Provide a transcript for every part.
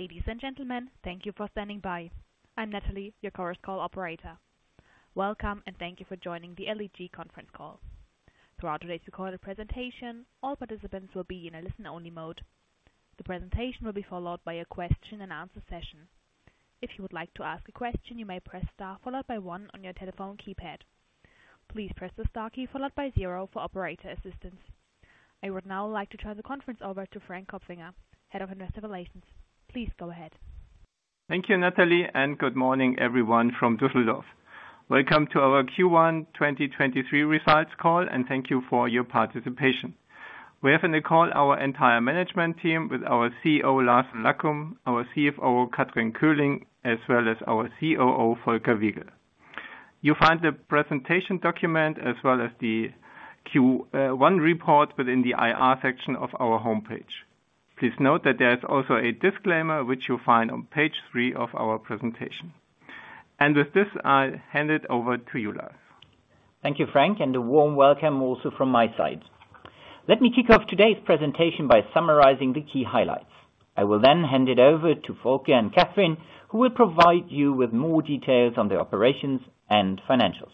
Ladies and gentlemen, thank you for standing by. I'm Natalie, your conference call operator. Welcome, and thank you for joining the LEG conference call. Throughout today's recorded presentation, all participants will be in a listen-only mode. The presentation will be followed by a question and answer session. If you would like to ask a question, you may press star followed by one on your telephone keypad. Please press the star key followed by zero for operator assistance. I would now like to turn the conference over to Frank Kopfinger, Head of Investor Relations. Please go ahead. Thank you, Natalie, good morning everyone from Düsseldorf. Welcome to our Q1 2023 results call, thank you for your participation. We have on the call our entire management team with our CEO, Lars von Lackum; our CFO, Kathrin Köhling; as well as our COO, Volker Wiegel. You'll find the presentation document as well as the Q1 report within the IR section of our homepage. Please note that there is also a disclaimer, which you'll find on Page three of our presentation. With this, I'll hand it over to you, Lars. Thank you, Frank. A warm welcome also from my side. Let me kick off today's presentation by summarizing the key highlights. I will hand it over to Volker and Kathrin who will provide you with more details on the operations and financials.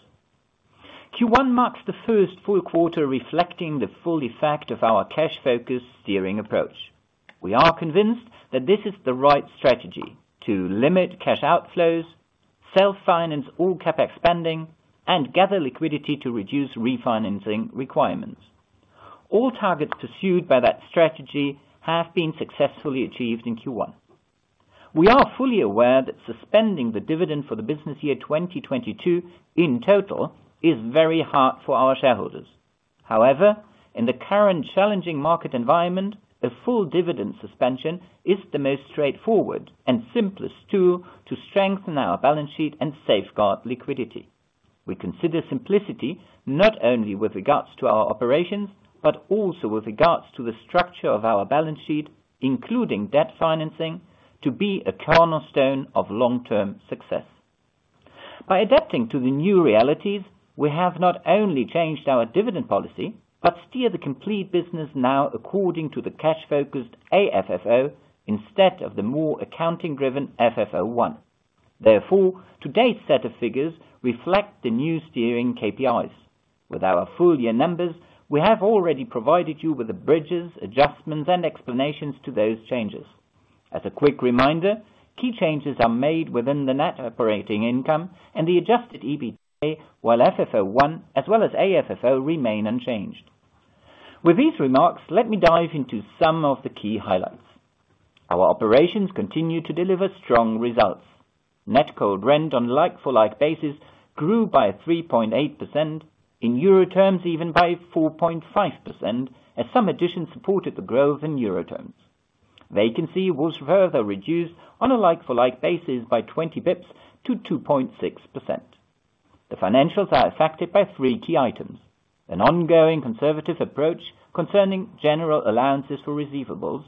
Q1 marks the first full quarter reflecting the full effect of our cash focus steering approach. We are convinced that this is the right strategy to limit cash outflows, self-finance all CapEx spending, and gather liquidity to reduce refinancing requirements. All targets pursued by that strategy have been successfully achieved in Q1. We are fully aware that suspending the dividend for the business year 2022 in total is very hard for our shareholders. In the current challenging market environment, a full dividend suspension is the most straightforward and simplest tool to strengthen our balance sheet and safeguard liquidity. We consider simplicity not only with regards to our operations, but also with regards to the structure of our balance sheet, including debt financing, to be a cornerstone of long-term success. By adapting to the new realities, we have not only changed our dividend policy, but steer the complete business now according to the cash focused AFFO instead of the more accounting driven FFO I. Therefore, today's set of figures reflect the new steering KPIs. With our full year numbers, we have already provided you with the bridges, adjustments, and explanations to those changes. As a quick reminder, key changes are made within the net operating income and the adjusted EBITDA, while FFO I as well as AFFO remain unchanged. With these remarks, let me dive into some of the key highlights. Our operations continue to deliver strong results. Net cold rent on a like-for-like basis grew by 3.8%, in EUR terms even by 4.5%, as some additions supported the growth in EUR terms. Vacancy was further reduced on a like-for-like basis by 20 basis points to 2.6%. The financials are affected by three key items. An ongoing conservative approach concerning general allowances for receivables,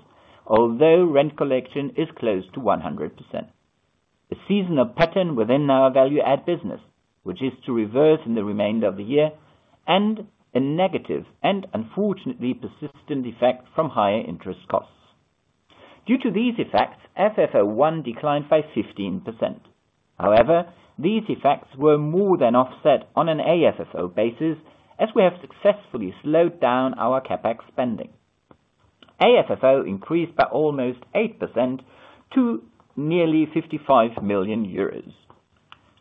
although rent collection is close to 100%. The seasonal pattern within our value add business, which is to reverse in the remainder of the year, and a negative and unfortunately persistent effect from higher interest costs. Due to these effects, FFO I declined by 15%. These effects were more than offset on an AFFO basis as we have successfully slowed down our CapEx spending. AFFO increased by almost 8% to nearly 55 million euros.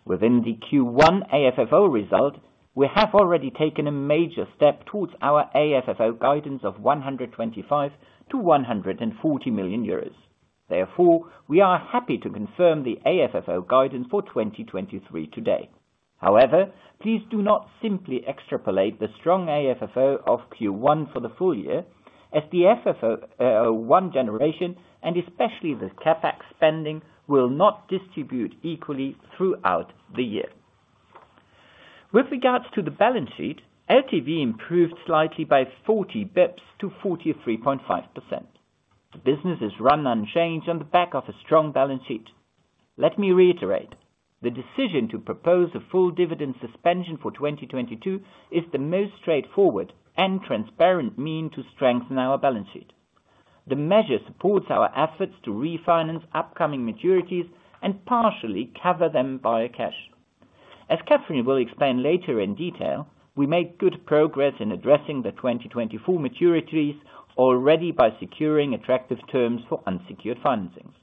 Within the Q1 AFFO result, we have already taken a major step towards our AFFO guidance of 125 million-140 million euros. We are happy to confirm the AFFO guidance for 2023 today. Please do not simply extrapolate the strong AFFO of Q1 for the full year as the FFO I generation and especially the CapEx spending will not distribute equally throughout the year. With regards to the balance sheet, LTV improved slightly by 40 basis points to 43.5%. The business is run unchanged on the back of a strong balance sheet. Let me reiterate. The decision to propose a full dividend suspension for 2022 is the most straightforward and transparent mean to strengthen our balance sheet. The measure supports our efforts to refinance upcoming maturities and partially cover them via cash, As Kathrin will explain later in detail, we made good progress in addressing the 2024 maturities already by securing attractive terms for unsecured financings.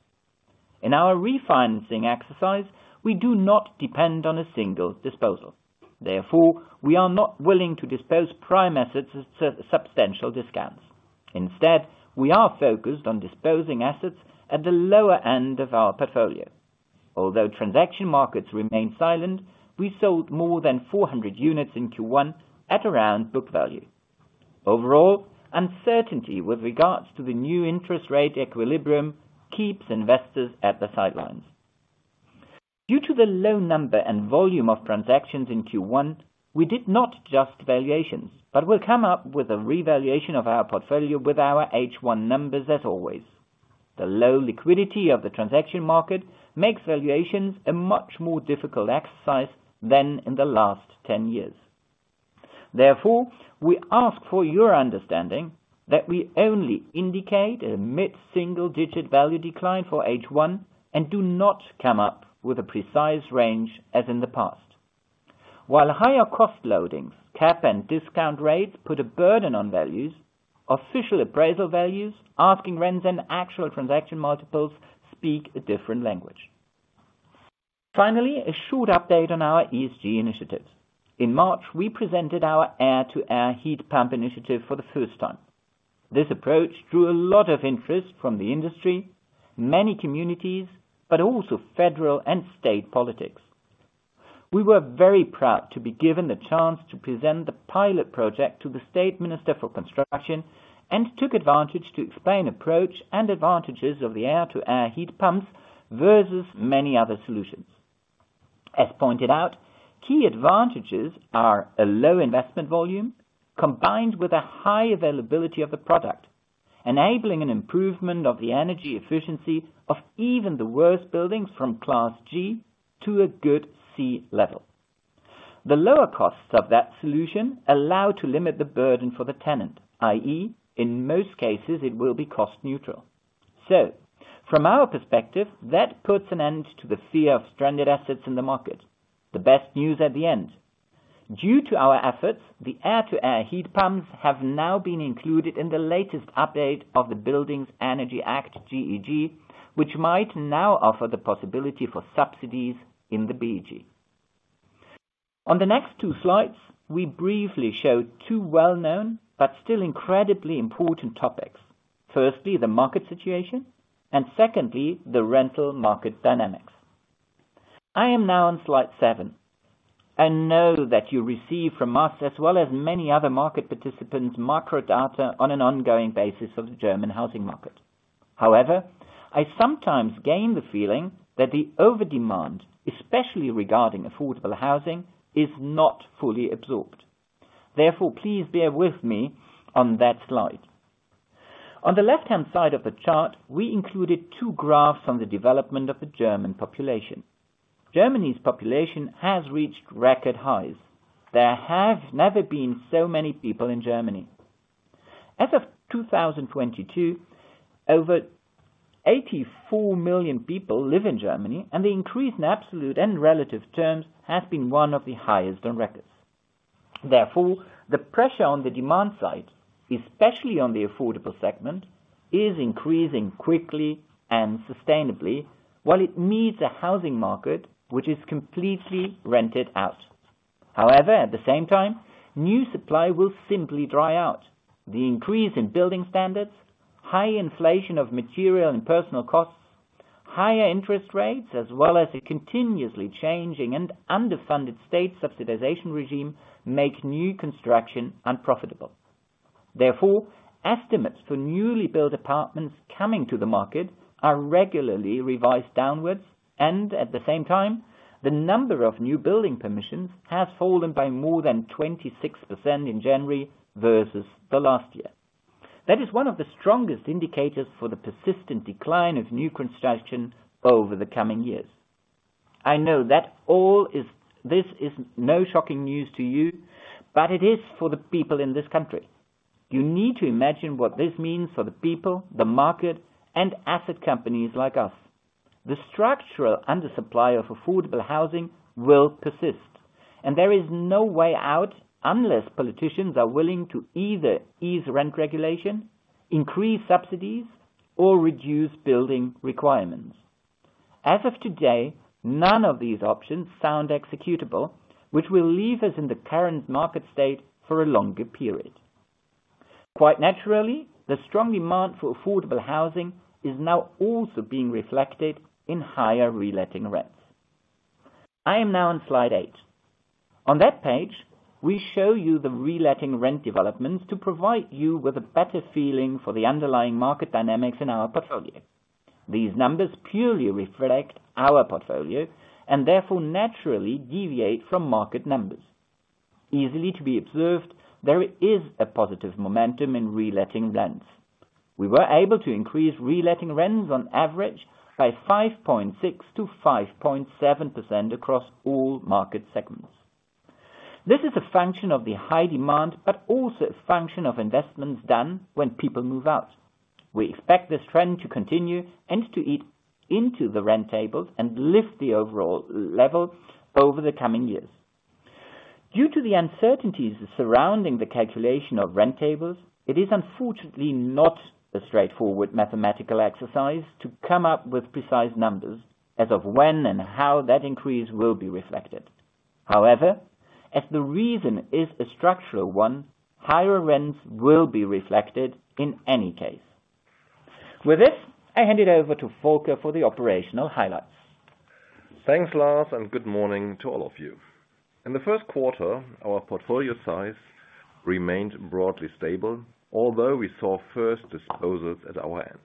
In our refinancing exercise, we do not depend on a single disposal. Therefore, we are not willing to dispose prime assets at substantial discounts. Instead, we are focused on disposing assets at the lower end of our portfolio. Although transaction markets remain silent, we sold more than 400 units in Q1 at around book value. Overall, uncertainty with regards to the new interest rate equilibrium keeps investors at the sidelines. Due to the low number and volume of transactions in Q1, we did not adjust valuations, but will come up with a revaluation of our portfolio with our H1 numbers as always. The low liquidity of the transaction market makes valuations a much more difficult exercise than in the last 10 years. Therefore, we ask for your understanding that we only indicate a mid-single digit value decline for H one and do not come up with a precise range as in the past. While higher cost loading, cap and discount rates put a burden on values, official appraisal values, asking rents and actual transaction multiples speak a different language. Finally, a short update on our ESG initiatives. In March, we presented our air-to-air heat pump initiative for the first time. This approach drew a lot of interest from the industry, many communities, but also federal and state politics. We were very proud to be given the chance to present the pilot project to the State Minister for Construction and took advantage to explain approach and advantages of the air-to-air heat pumps versus many other solutions. As pointed out, key advantages are a low investment volume combined with a high availability of the product, enabling an improvement of the energy efficiency of even the worst buildings from Class G to a good C level. The lower costs of that solution allow to limit the burden for the tenant, i.e., in most cases it will be cost neutral. From our perspective, that puts an end to the fear of stranded assets in the market. The best news at the end. Due to our efforts, the air-to-air heat pumps have now been included in the latest update of the Buildings Energy Act, GEG, which might now offer the possibility for subsidies in the BEG. On the next two slides, we briefly show two well-known but still incredibly important topics. Firstly, the market situation, and secondly, the rental market dynamics. I am now on Slide seven and know that you receive from us as well as many other market participants, macro data on an ongoing basis of the German housing market. However, I sometimes gain the feeling that the overdemand, especially regarding affordable housing, is not fully absorbed. Therefore, please bear with me on that slide. On the left-hand side of the chart, we included two graphs on the development of the German population. Germany's population has reached record highs. There have never been so many people in Germany. As of 2022, over 84 million people live in Germany, and the increase in absolute and relative terms has been one of the highest on records. The pressure on the demand side, especially on the affordable segment, is increasing quickly and sustainably. It meets a housing market which is completely rented out. At the same time, new supply will simply dry out. The increase in building standards, high inflation of material and personal costs, higher interest rates, as well as a continuously changing and underfunded state subsidization regime make new construction unprofitable. Estimates for newly built apartments coming to the market are regularly revised downwards, and at the same time, the number of new building permissions has fallen by more than 26% in January versus the last year. That is one of the strongest indicators for the persistent decline of new construction over the coming years. I know that this is no shocking news to you, but it is for the people in this country. You need to imagine what this means for the people, the market and asset companies like us. The structural undersupply of affordable housing will persist, and there is no way out unless politicians are willing to either ease rent regulation, increase subsidies, or reduce building requirements. As of today, none of these options sound executable, which will leave us in the current market state for a longer period. Quite naturally, the strong demand for affordable housing is now also being reflected in higher reletting rents. I am now on Slide eight. On that page, we show you the reletting rent developments to provide you with a better feeling for the underlying market dynamics in our portfolio. These numbers purely reflect our portfolio and therefore naturally deviate from market numbers. Easily to be observed, there is a positive momentum in reletting rents. We were able to increase reletting rents on average by 5.6% to 5.7% across all market segments. This is a function of the high demand, but also a function of investments done when people move out. We expect this trend to continue and to eat into the rent tables and lift the overall level over the coming years. Due to the uncertainties surrounding the calculation of rent tables, it is unfortunately not a straightforward mathematical exercise to come up with precise numbers as of when and how that increase will be reflected. As the reason is a structural one, higher rents will be reflected in any case. With this, I hand it over to Volker for the operational highlights. Thanks, Lars. Good morning to all of you. In the first quarter, our portfolio size remained broadly stable, although we saw first disposals at our end.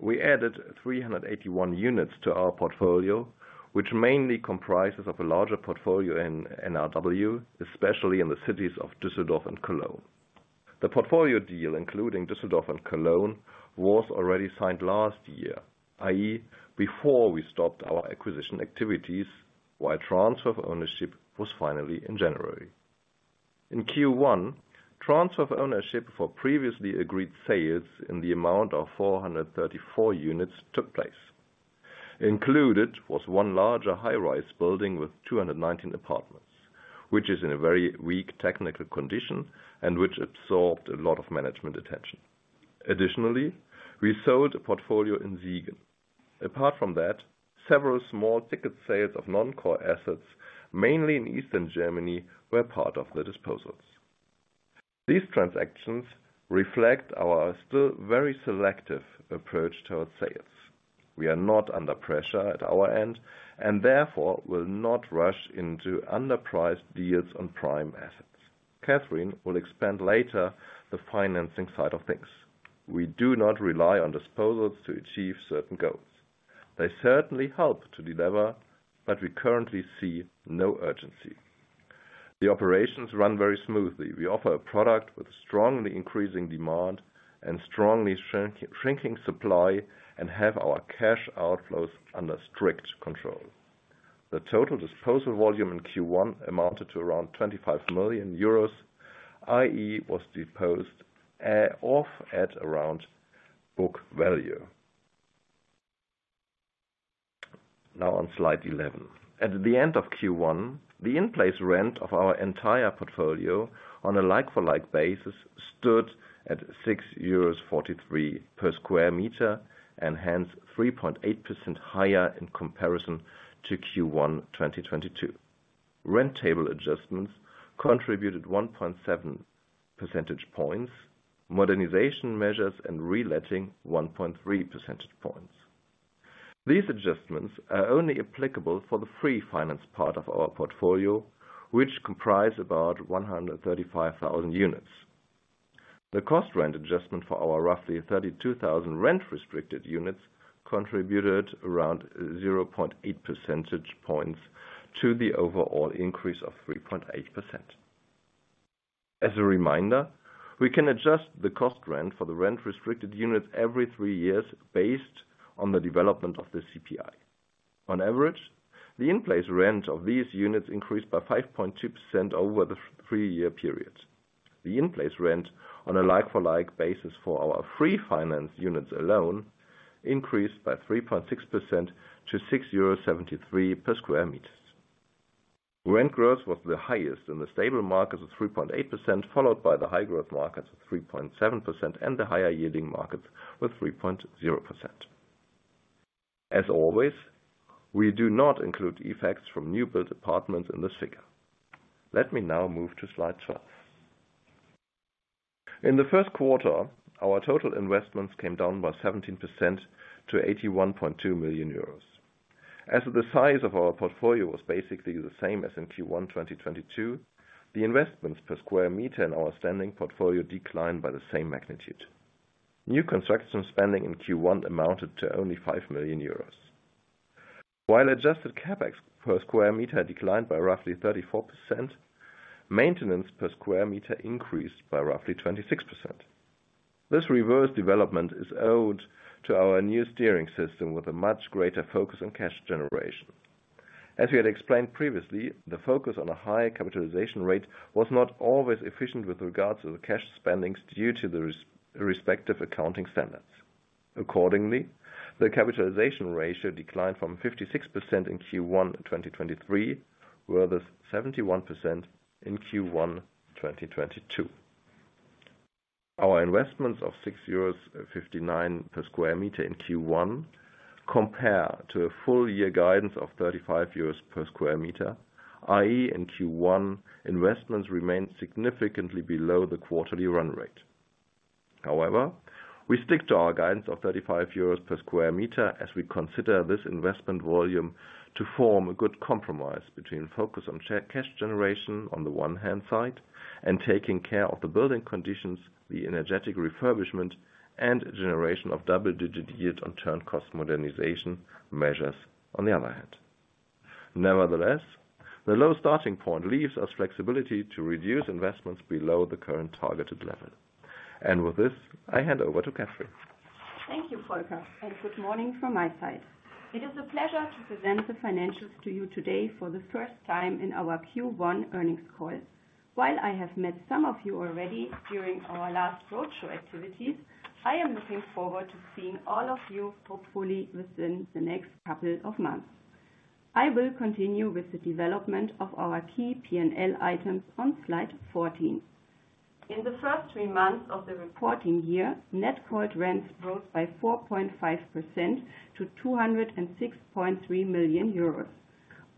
We added 381 units to our portfolio, which mainly comprises of a larger portfolio in NRW, especially in the cities of Düsseldorf and Cologne. The portfolio deal, including Düsseldorf and Cologne, was already signed last year, i.e., before we stopped our acquisition activities, while transfer of ownership was finally in January. In Q1, transfer of ownership for previously agreed sales in the amount of 434 units took place. Included was one larger high-rise building with 219 apartments, which is in a very weak technical condition and which absorbed a lot of management attention. Additionally, we sold a portfolio in Siegen. Apart from that, several small ticket sales of non-core assets, mainly in Eastern Germany, were part of the disposals. These transactions reflect our still very selective approach towards sales. We are not under pressure at our end, and therefore will not rush into underpriced deals on prime assets. Kathrin will expand later the financing side of things. We do not rely on disposals to achieve certain goals. They certainly help to deliver, but we currently see no urgency. The operations run very smoothly. We offer a product with strongly increasing demand and strongly shrinking supply, and have our cash outflows under strict control. The total disposal volume in Q1 amounted to around 25 million euros, i.e., was deposed off at around book value. On Slide 11. At the end of Q1, the in-place rent of our entire portolio on a like-for-like basis stood at 6.43 euros per square meter, and hence 3.8% higher in comparison to Q1, 2022. Rent table adjustments contributed 1.7 percentage points. Modernization measures and reletting, 1.3 percentage points. These adjustments are only applicable for the free finance part of our portfolio, which comprise about 135,000 units. The cost rent adjustment for our roughly 32,000 rent restricted units contributed around 0.8 percentage points to the overall increase of 3.8%. As a reminder, we can adjust the cost rent for the rent restricted units every three years based on the development of the CPI. On average, the in-place rent of these units increased by 5.2% over the three-year period. The in-place rent on a like-for-like basis for our free finance units alone increased by 3.6% to 6.73 euros per square meters. Rent growth was the highest in the stable markets of 3.8%, followed by the high growth markets of 3.7% and the higher yielding markets with 3.0%. As always, we do not include effects from new build apartments in this figure. Let me now move to Slide 12. In the first quarter, our total investments came down by 17% to 81.2 million euros. As the size of our portfolio was basically the same as in Q1 2022, the investments per square meter in our standing portfolio declined by the same magnitude. New construction spending in Q1 amounted to only 5 million euros. While adjusted CapEx per square meter declined by roughly 34%, maintenance per square meter increased by roughly 26%. This reverse development is owed to our new steering system with a much greater focus on cash generation. As we had explained previously, the focus on a high capitalization rate was not always efficient with regards to the cash spendings due to the respective accounting standards. Accordingly, the capitalization ratio declined from 56% in Q1 2023, whereas 71% in Q1 2022. Our investments of 6.59 euros per square meter in Q1 compare to a full year guidance of 35 euros per square meter, i.e., in Q1, investments remained significantly below the quarterly run rate. We stick to our guidance of 35 euros per square meter as we consider this investment volume to form a good compromise between focus on cash generation on the one hand side and taking care of the building conditions, the energetic refurbishment, and generation of double-digit yield on turn cost modernization measures on the other hand. Nevertheless, the low starting point leaves us flexibility to reduce investments below the current targeted level. I hand over to Kathrin. Thank you, Volker, good morning from my side. It is a pleasure to present the financials to you today for the first time in our Q1 earnings call. While I have met some of you already during our last roadshow activities, I am looking forward to seeing all of you hopefully within the next couple of months. I will continue with the development of our key P&L items on Slide 14. In the first three months of the reporting year, net cold rents growth by 4.5% to 206.3 million euros.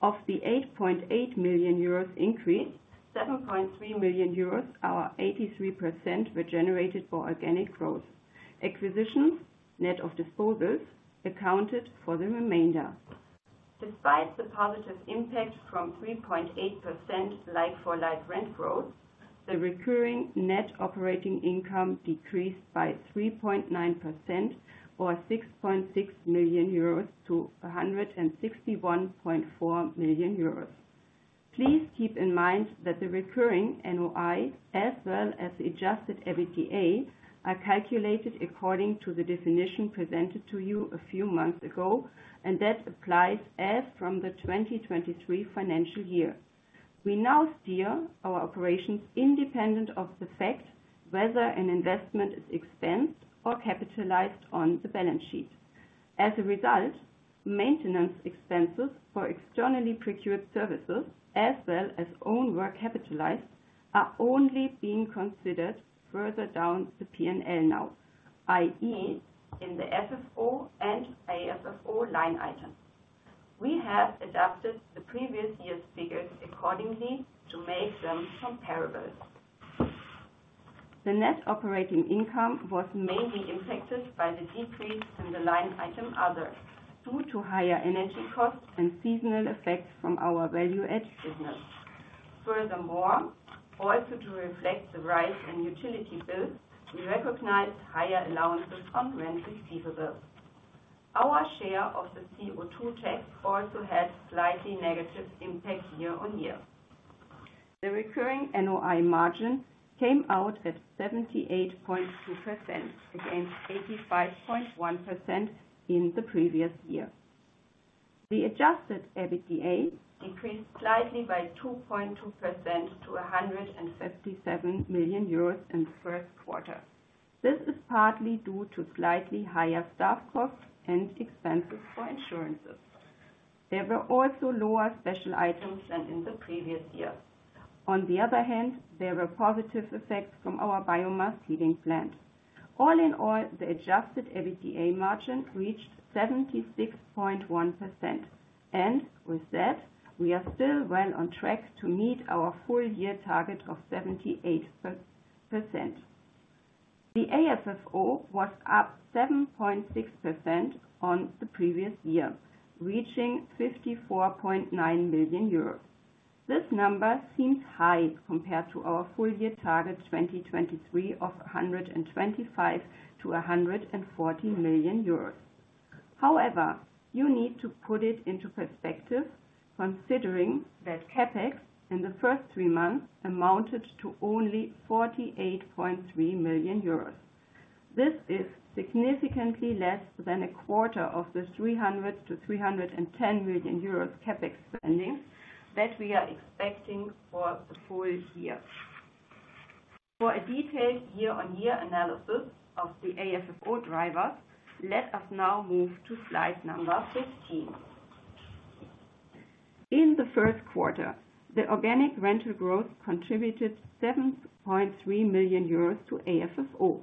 Of the 8.8 million euros increase, 7.3 million euros, or 83%, were generated for organic growth. Acquisitions, net of disposals accounted for the remainder. Despite the positive impact from 3.8% like-for-like rent growth, the recurring net operating income decreased by 3.9% or 6.6 million euros to 161.4 million euros. Please keep in mind that the recurring NOI as well as adjusted EBITDA are calculated according to the definition presented to you a few months ago, and that applies as from the 2023 financial year. We now steer our operations independent of the fact whether an investment is expensed or capitalized on the balance sheet. As a result, maintenance expenses for externally procured services as well as own work capitalized are only being considered further down the P&L now, i.e., in the FFO and AFFO line item. We have adapted the previous year's figures accordingly to make them comparable. The net operating income was mainly impacted by the decrease in the line item other, due to higher energy costs and seasonal effects from our value add business. Furthermore, also to reflect the rise in utility bills, we recognized higher allowances on rent receivable. Our share of the CO2 tax also had slightly negative impact year on year. The recurring NOI margin came out at 78.2% against 85.1% in the previous year. The adjusted EBITDA decreased slightly by 2.2% to 157 million euros in the first quarter. This is partly due to slightly higher staff costs and expenses for insurances. There were also lower special items than in the previous year. On the other hand, there were positive effects from our biomass heating plant. All in all, the adjusted EBITDA margin reached 76.1%. With that, we are still well on track to meet our full year target of 78%. The AFFO was up 7.6% on the previous year, reaching 54.9 million euros. This number seems high compared to our full year target 2023 of 125 million-140 million euros. However, you need to put it into perspective considering that CapEx in the first three months amounted to only 48.3 million euros. This is significantly less than a quarter of the 300 million-310 million euros CapEx spending that we are expecting for the full year. For a detailed year-on-year analysis of the AFFO drivers, let us now move to Slide number 15. In the first quarter, the organic rental growth contributed 7.3 million euros to AFFO.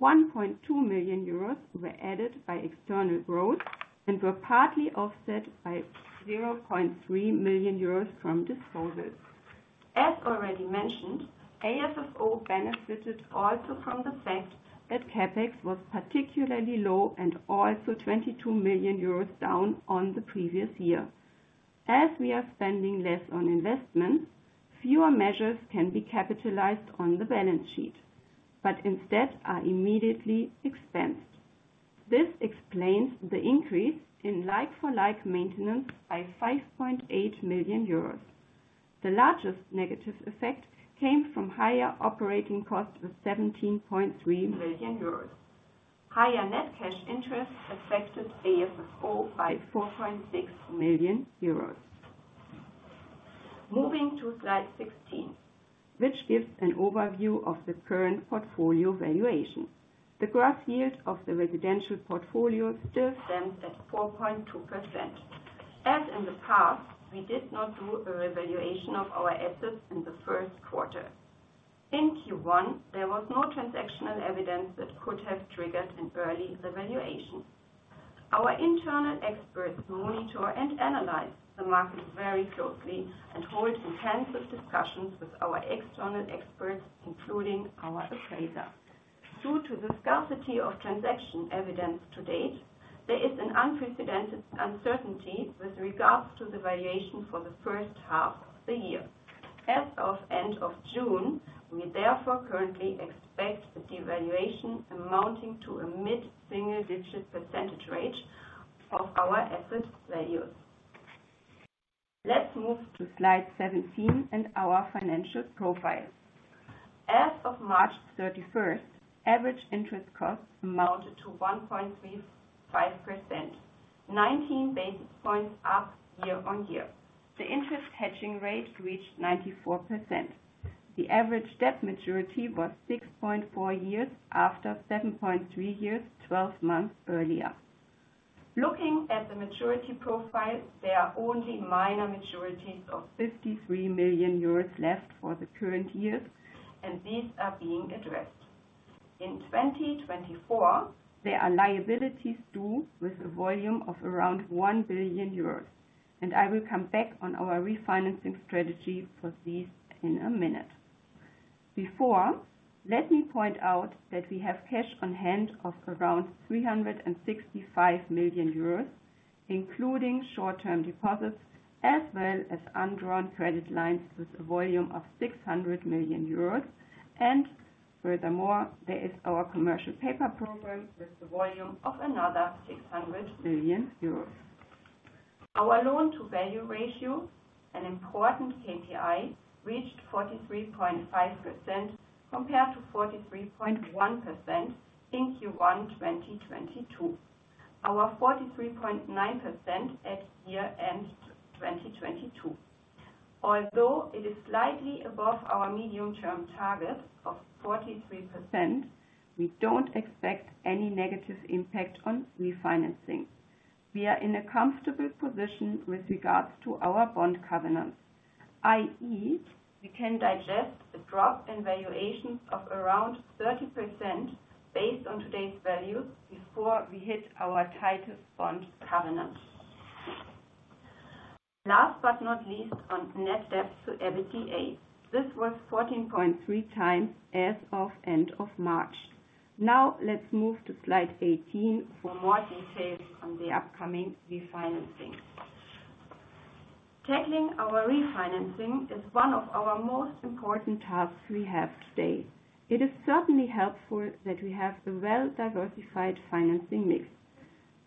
1.2 million euros were added by external growth and were partly offset by 0.3 million euros from disposals. Already mentioned, AFFO benefited also from the fact that CapEx was particularly low and also 22 million euros down on the previous year. We are spending less on investment, fewer measures can be capitalized on the balance sheet, but instead are immediately expensed. This explains the increase in like-for-like maintenance by 5.8 million euros. The largest negative effect came from higher operating costs of 17.3 million euros. Higher net cash interest affected AFFO by 4.6 million euros. Moving to Slide 16, which gives an overview of the current portfolio valuation. The gross yield of the residential portfolio still stands at 4.2%. As in the past, we did not do a revaluation of our assets in the first quarter. In Q1, there was no transactional evidence that could have triggered an early revaluation. Our internal experts monitor and analyze the market very closely and hold intensive discussions with our external experts, including our appraiser. Due to the scarcity of transaction evidence to date, there is an unprecedented uncertainty with regards to the valuation for the first half of the year. As of end of June, we therefore currently expect a devaluation amounting to a mid-single digit % rate of our asset value. Let's move to Slide 17 and our financial profile. As of March thirty-first, average interest costs amounted to 1.35%, 19 basis points up year-over-year. The interest hedging rate reached 94%. The average debt maturity was 6.4 years after 7.3 years, 12 months earlier. Looking at the maturity profile, there are only minor maturities of 53 million euros left for the current years, and these are being addressed. In 2024, there are liabilities due with a volume of around 1 billion euros, and I will come back on our refinancing strategy for these in a minute. Before, let me point out that we have cash on hand of around 365 million euros, including short-term deposits as well as undrawn credit lines with a volume of 600 million euros and furthermore, there is our commercial paper program with the volume of another 600 million euros. Our loan-to-value ratio, an important KPI, reached 43.5% compared to 43.1% in Q1 2022. Our 43.9% at year-end 2022. Although it is slightly above our medium-term target of 43%, we don't expect any negative impact on refinancing. We are in a comfortable position with regards to our bond covenants, i.e., we can digest the drop in valuations of around 30% based on today's values before we hit our tighter bond covenant. Last but not least, on net debt to EBITDA. This was 14.3 times as of end of March. Let's move to Slide 18 for more details on the upcoming refinancing. Tackling our refinancing is one of our most important tasks we have today. It is certainly helpful that we have a well-diversified financing mix.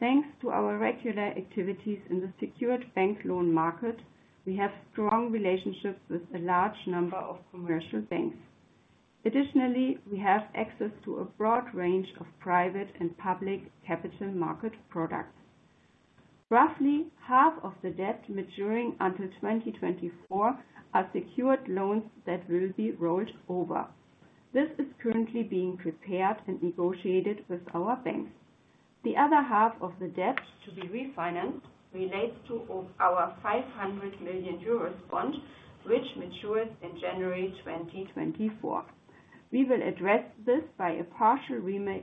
Thanks to our regular activities in the secured bank loan market, we have strong relationships with a large number of commercial banks. Additionally, we have access to a broad range of private and public capital market products. Roughly half of the debt maturing until 2024 are secured loans that will be rolled over. This is currently being prepared and negotiated with our banks. The other half of the debt to be refinanced relates to our 500 million euros bond, which matures in January 2024. We will address this by a partial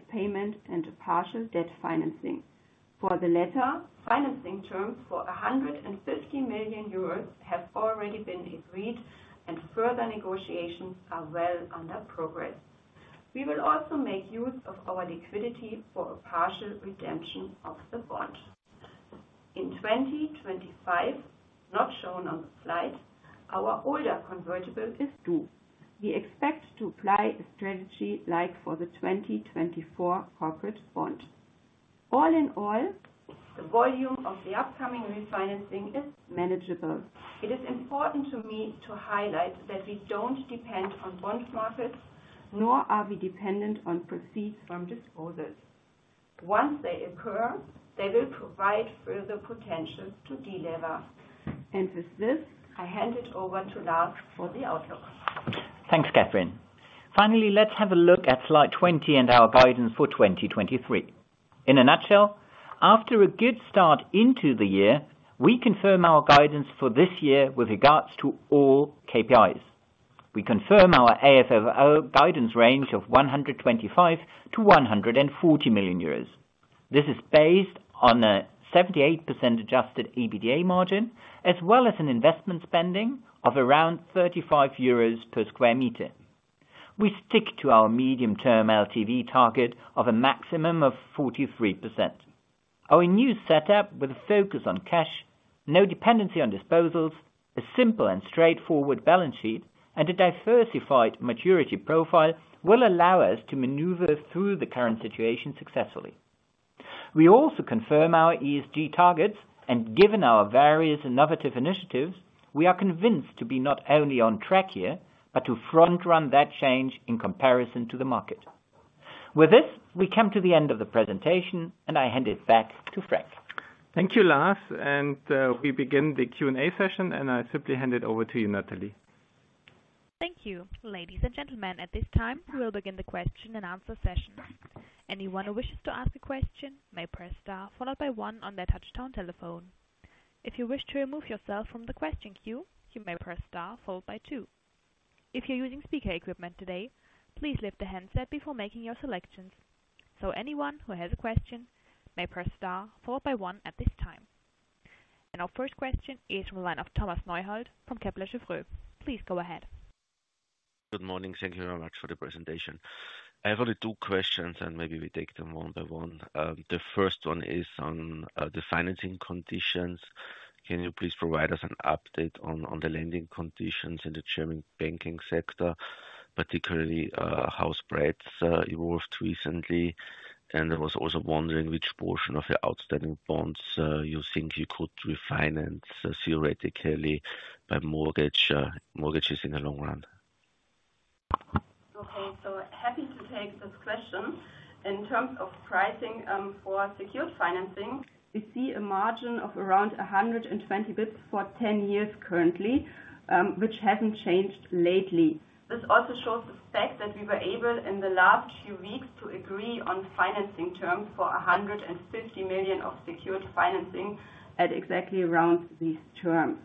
payment and a partial debt financing. For the latter, financing terms for 150 million euros have already been agreed and further negotiations are well under progress. We will also make use of our liquidity for a partial redemption of the bond. In 2025, not shown on the slide, our older convertible is due. We expect to apply a strategy like for the 2024 corporate bond. All in all, the volume of the upcoming refinancing is manageable. It is important to me to highlight that we don't depend on bond markets, nor are we dependent on proceeds from disposals. Once they occur, they will provide further potential to de-lever. With this, I hand it over to Lars for the outlook. Thanks, Kathrin. Finally, let's have a look at Slide 20 and our guidance for 2023. In a nutshell, after a good start into the year, we confirm our guidance for this year with regards to all KPIs. We confirm our AFFO guidance range of 125 million-140 million euros. This is based on a 78% adjusted EBITDA margin, as well as an investment spending of around 35 euros per sq m. We stick to our medium-term LTV target of a maximum of 43%. Our new setup with a focus on cash, no dependency on disposals, a simple and straightforward balance sheet, and a diversified maturity profile will allow us to maneuver through the current situation successfully. We also confirm our ESG targets, and given our various innovative initiatives, we are convinced to be not only on track here, but to front-run that change in comparison to the market. With this, we come to the end of the presentation, and I hand it back to Frank. Thank you, Lars. We begin the Q&A session, and I simply hand it over to you, Natalie. Thank you. Ladies and gentlemen, at this time, we will begin the question and answer session. Anyone who wishes to ask a question may press star followed by one on their touchtone telephone. If you wish to remove yourself from the question queue, you may press star followed by two. If you're using speaker equipment today, please lift the handset before making your selections. So anyone who has a question may press star followed by one at this time. And our first question is from the line of Thomas Neuhold from Kepler Cheuvreux. Please go ahead. Good morning. Thank you very much for the presentation. I have only two questions, maybe we take them one by one. The first one is on the financing conditions. Can you please provide us an update on the lending conditions in the German banking sector, particularly how spreads evolved recently? I was also wondering which portion of your outstanding bonds you think you could refinance theoretically by mortgages in the long run. Happy to take this question. In terms of pricing, for secured financing, we see a margin of around 120 bps for 10 years currently, which hasn't changed lately. This also shows the fact that we were able, in the last few weeks, to agree on financing terms for 150 million of secured financing at exactly around these terms.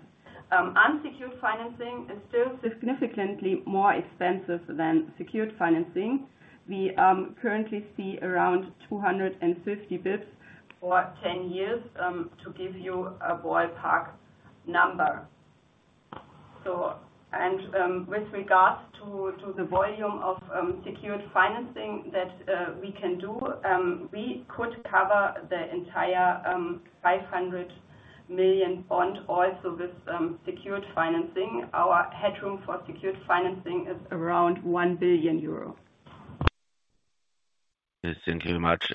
Unsecured financing is still significantly more expensive than secured financing. We currently see around 250 basis points for 10 years, to give you a ballpark number. With regards to the volume of secured financing that we can do, we could cover the entire 500. Million bond also with secured financing. Our headroom for secured financing is around 1 billion euro. Yes, thank you very much.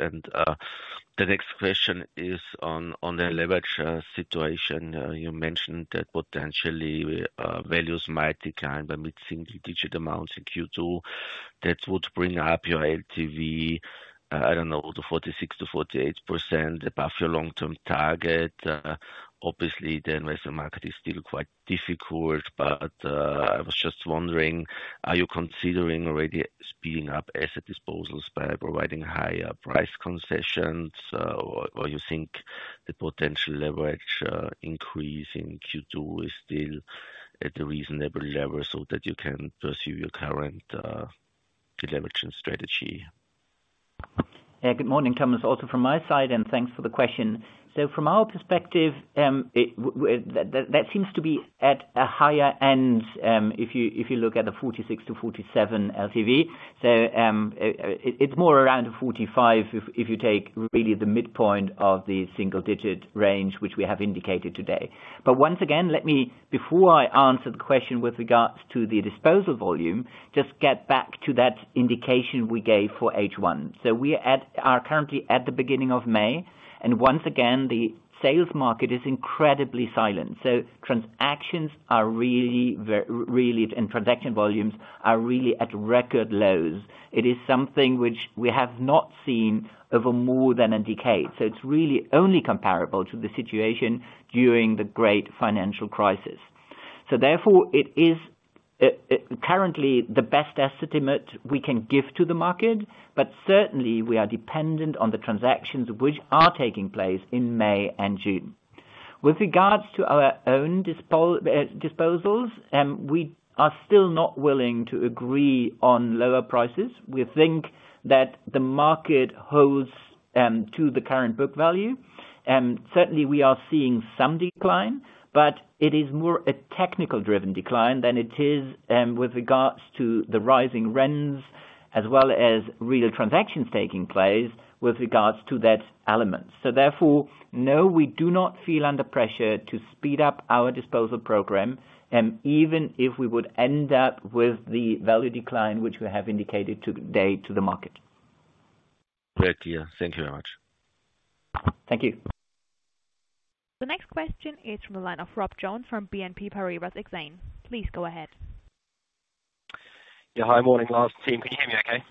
The next question is on the leverage situation. You mentioned that potentially values might decline by mid-single digit amounts in Q2. That would bring up your LTV, I don't know, to 46%-48% above your long-term target. Obviously, the investment market is still quite difficult. I was just wondering, are you considering already speeding up asset disposals by providing higher price concessions? Or you think the potential leverage increase in Q2 is still at a reasonable level so that you can pursue your current deleveraging strategy? Good morning, Thomas, also from my side, thanks for the question. From our perspective, that seems to be at a higher end, if you look at the 46%-47% LTV. It's more around 45 if you take really the midpoint of the single-digit range, which we have indicated today. Once again, let me, before I answer the question with regards to the disposal volume, just get back to that indication we gave for H1. We are currently at the beginning of May, once again, the sales market is incredibly silent. Transactions are really, and transaction volumes are really at record lows. It is something which we have not seen over more than a decade. It's really only comparable to the situation during the great financial crisis. Therefore, it is currently the best estimate we can give to the market, but certainly we are dependent on the transactions which are taking place in May and June. With regards to our own disposals, we are still not willing to agree on lower prices. We think that the market holds to the current book value. Certainly we are seeing some decline, but it is more a technical driven decline than it is with regards to the rising rents, as well as real transactions taking place with regards to that element. Therefore, no, we do not feel under pressure to speed up our disposal program, even if we would end up with the value decline, which we have indicated today to the market. Great to hear. Thank you very much. Thank you. The next question is from the line of Rob Jones from BNP Paribas Exane. Please go ahead. Yeah. Hi. Morning, Lars' team. Can you hear me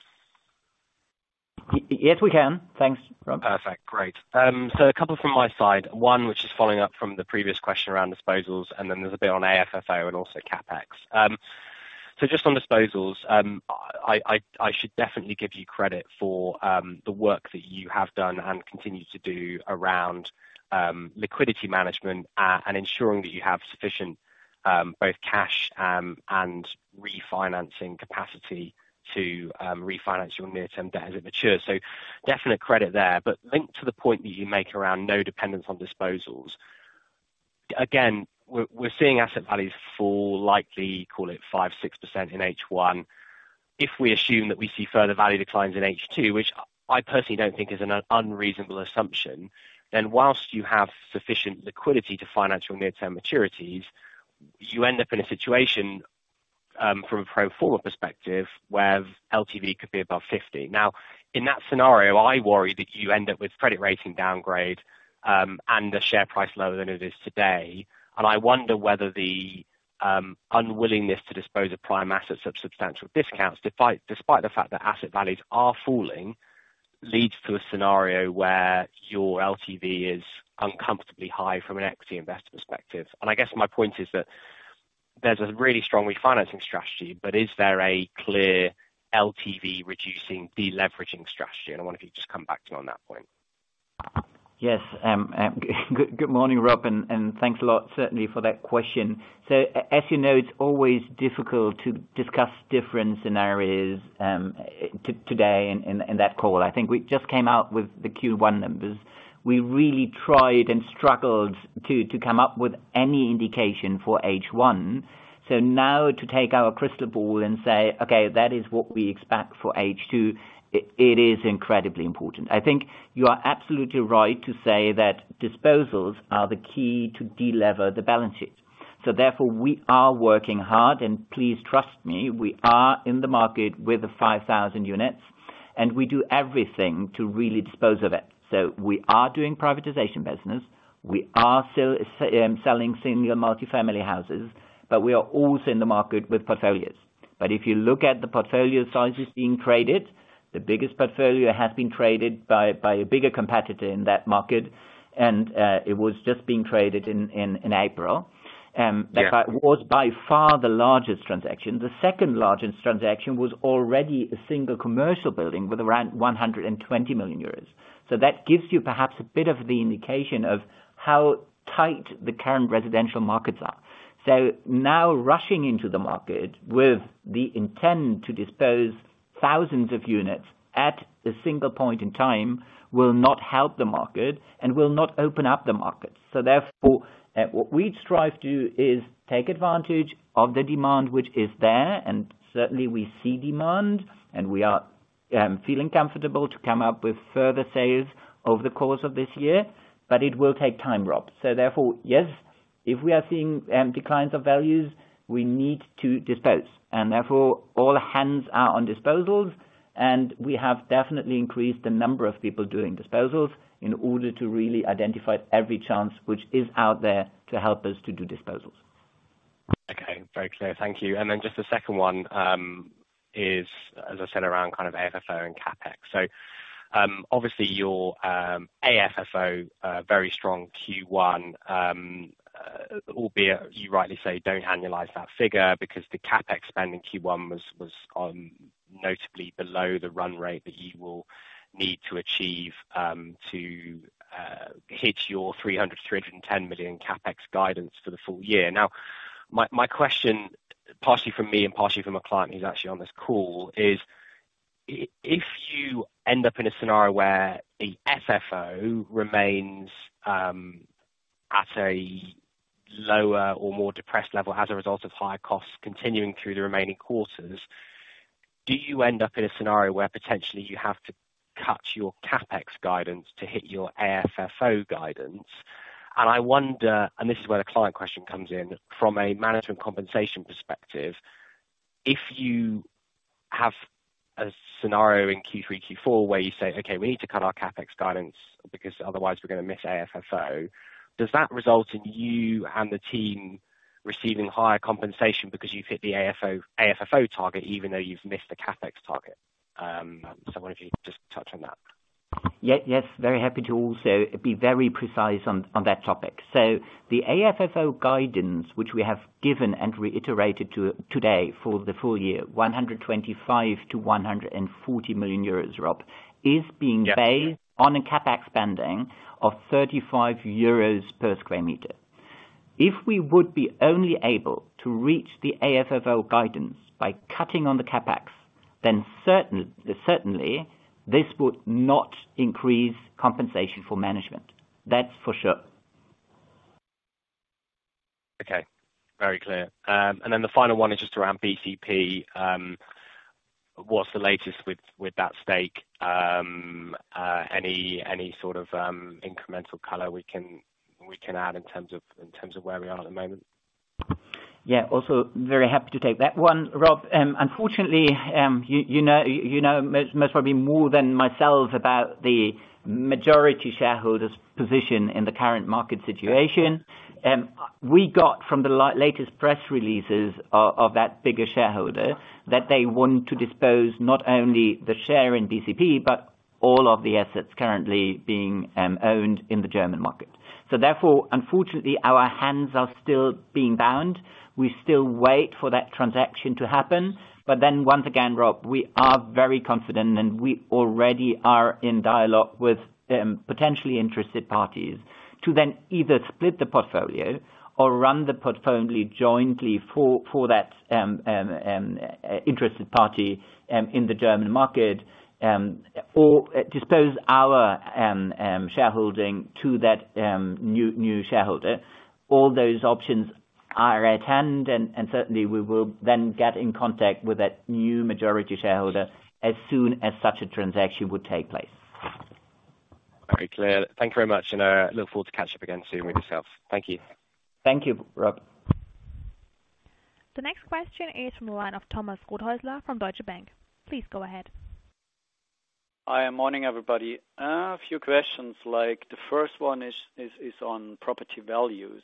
okay? Yes, we can. Thanks, Rob. Perfect. Great. A couple from my side, one which is following up from the previous question around disposals, and then there's a bit on AFFO and also CapEx. Just on disposals, I should definitely give you credit for the work that you have done and continue to do around liquidity management, and ensuring that you have sufficient both cash and refinancing capacity to refinance your near-term debt as it matures. Definite credit there. Linked to the point that you make around no dependence on disposals, again, we're seeing asset values fall, likely call it 5%, 6% in H1. If we assume that we see further value declines in H2, which I personally don't think is an unreasonable assumption, then whilst you have sufficient liquidity to finance your near-term maturities, you end up in a situation from a pro forma perspective, where LTV could be above 50. In that scenario, I worry that you end up with credit rating downgrade and a share price lower than it is today. I wonder whether the unwillingness to dispose of prime assets of substantial discounts, despite the fact that asset values are falling, leads to a scenario where your LTV is uncomfortably high from an equity investor perspective. I guess my point is that there's a really strong refinancing strategy, but is there a clear LTV reducing deleveraging strategy? I wonder if you could just come back to me on that point. Yes. Good morning, Rob, thanks a lot certainly for that question. As you know, it's always difficult to discuss different scenarios today in that call. I think we just came out with the Q1 numbers. We really tried and struggled to come up with any indication for H1. Now to take our crystal ball and say, "Okay, that is what we expect for H2," it is incredibly important. I think you are absolutely right to say that disposals are the key to de-lever the balance sheet. Therefore, we are working hard, and please trust me, we are in the market with the 5,000 units, and we do everything to really dispose of it. We are doing privatization business. We are still selling single multifamily houses, but we are also in the market with portfolios. If you look at the portfolio sizes being traded, the biggest portfolio has been traded by a bigger competitor in that market. It was just being traded in April. Yeah. That was by far the largest transaction. The second largest transaction was already a single commercial building with around 120 million euros. That gives you perhaps a bit of the indication of how tight the current residential markets are. Now rushing into the market with the intent to dispose thousands of units at a single point in time will not help the market and will not open up the markets. Therefore, what we strive to is take advantage of the demand which is there, and certainly we see demand, and we are feeling comfortable to come up with further sales over the course of this year, but it will take time, Rob. Therefore, yes, if we are seeing declines of values, we need to dispose. Therefore, all hands are on disposals, and we have definitely increased the number of people doing disposals in order to really identify every chance which is out there to help us to do disposals. Okay. Very clear. Thank you. Just the second one is, as I said, around kind of AFFO and CapEx. Obviously your AFFO very strong Q1, albeit you rightly say don't annualize that figure because the CapEx spend in Q1 was notably below the run rate that you will need to achieve to hit your 300 million-310 million CapEx guidance for the full year. My question, partially from me and partially from a client who's actually on this call, is if you end up in a scenario where the SFO remains at a lower or more depressed level as a result of higher costs continuing through the remaining quarters, do you end up in a scenario where potentially you have to cut your CapEx guidance to hit your AFFO guidance? I wonder, and this is where the client question comes in, from a management compensation perspective, if you have a scenario in Q3, Q4, where you say, "Okay, we need to cut our CapEx guidance because otherwise we're gonna miss AFFO." Does that result in you and the team receiving higher compensation because you've hit the AFFO target even though you've missed the CapEx target? I wonder if you could just touch on that. Yeah.Very happy to also be very precise on that topic. The AFFO guidance, which we have given and reiterated today for the full year, 125 million-140 million euros, Rob, is being. Yeah.-based on a CapEx spending of 35 euros per square meter. If we would be only able to reach the AFFO guidance by cutting on the CapEx, then certainly this would not increase compensation for management. That's for sure. Okay. Very clear. The final one is just around BCP. What's the latest with that stake? Any sort of incremental color we can add in terms of where we are at the moment? Yeah. Also very happy to take that one, Rob. Unfortunately, you know, most probably more than myself about the majority shareholders' position in the current market situation. We got from the latest press releases of that bigger shareholder that they want to dispose not only the share in BCP, but all of the assets currently being owned in the German market. Unfortunately, our hands are still being bound. We still wait for that transaction to happen, once again, Rob, we are very confident, and we already are in dialogue with potentially interested parties to then either split the portfolio or run the portfolio jointly for that interested party in the German market or dispose our shareholding to that new shareholder. All those options are at hand and certainly we will then get in contact with that new majority shareholder as soon as such a transaction would take place. Very clear. Thank you very much. Look forward to catching up again soon with yourself. Thank you. Thank you, Rob. The next question is from the line of Thomas Rothäusler from Deutsche Bank. Please go ahead. Hi, morning, everybody. A few questions. Like the first one is on property values.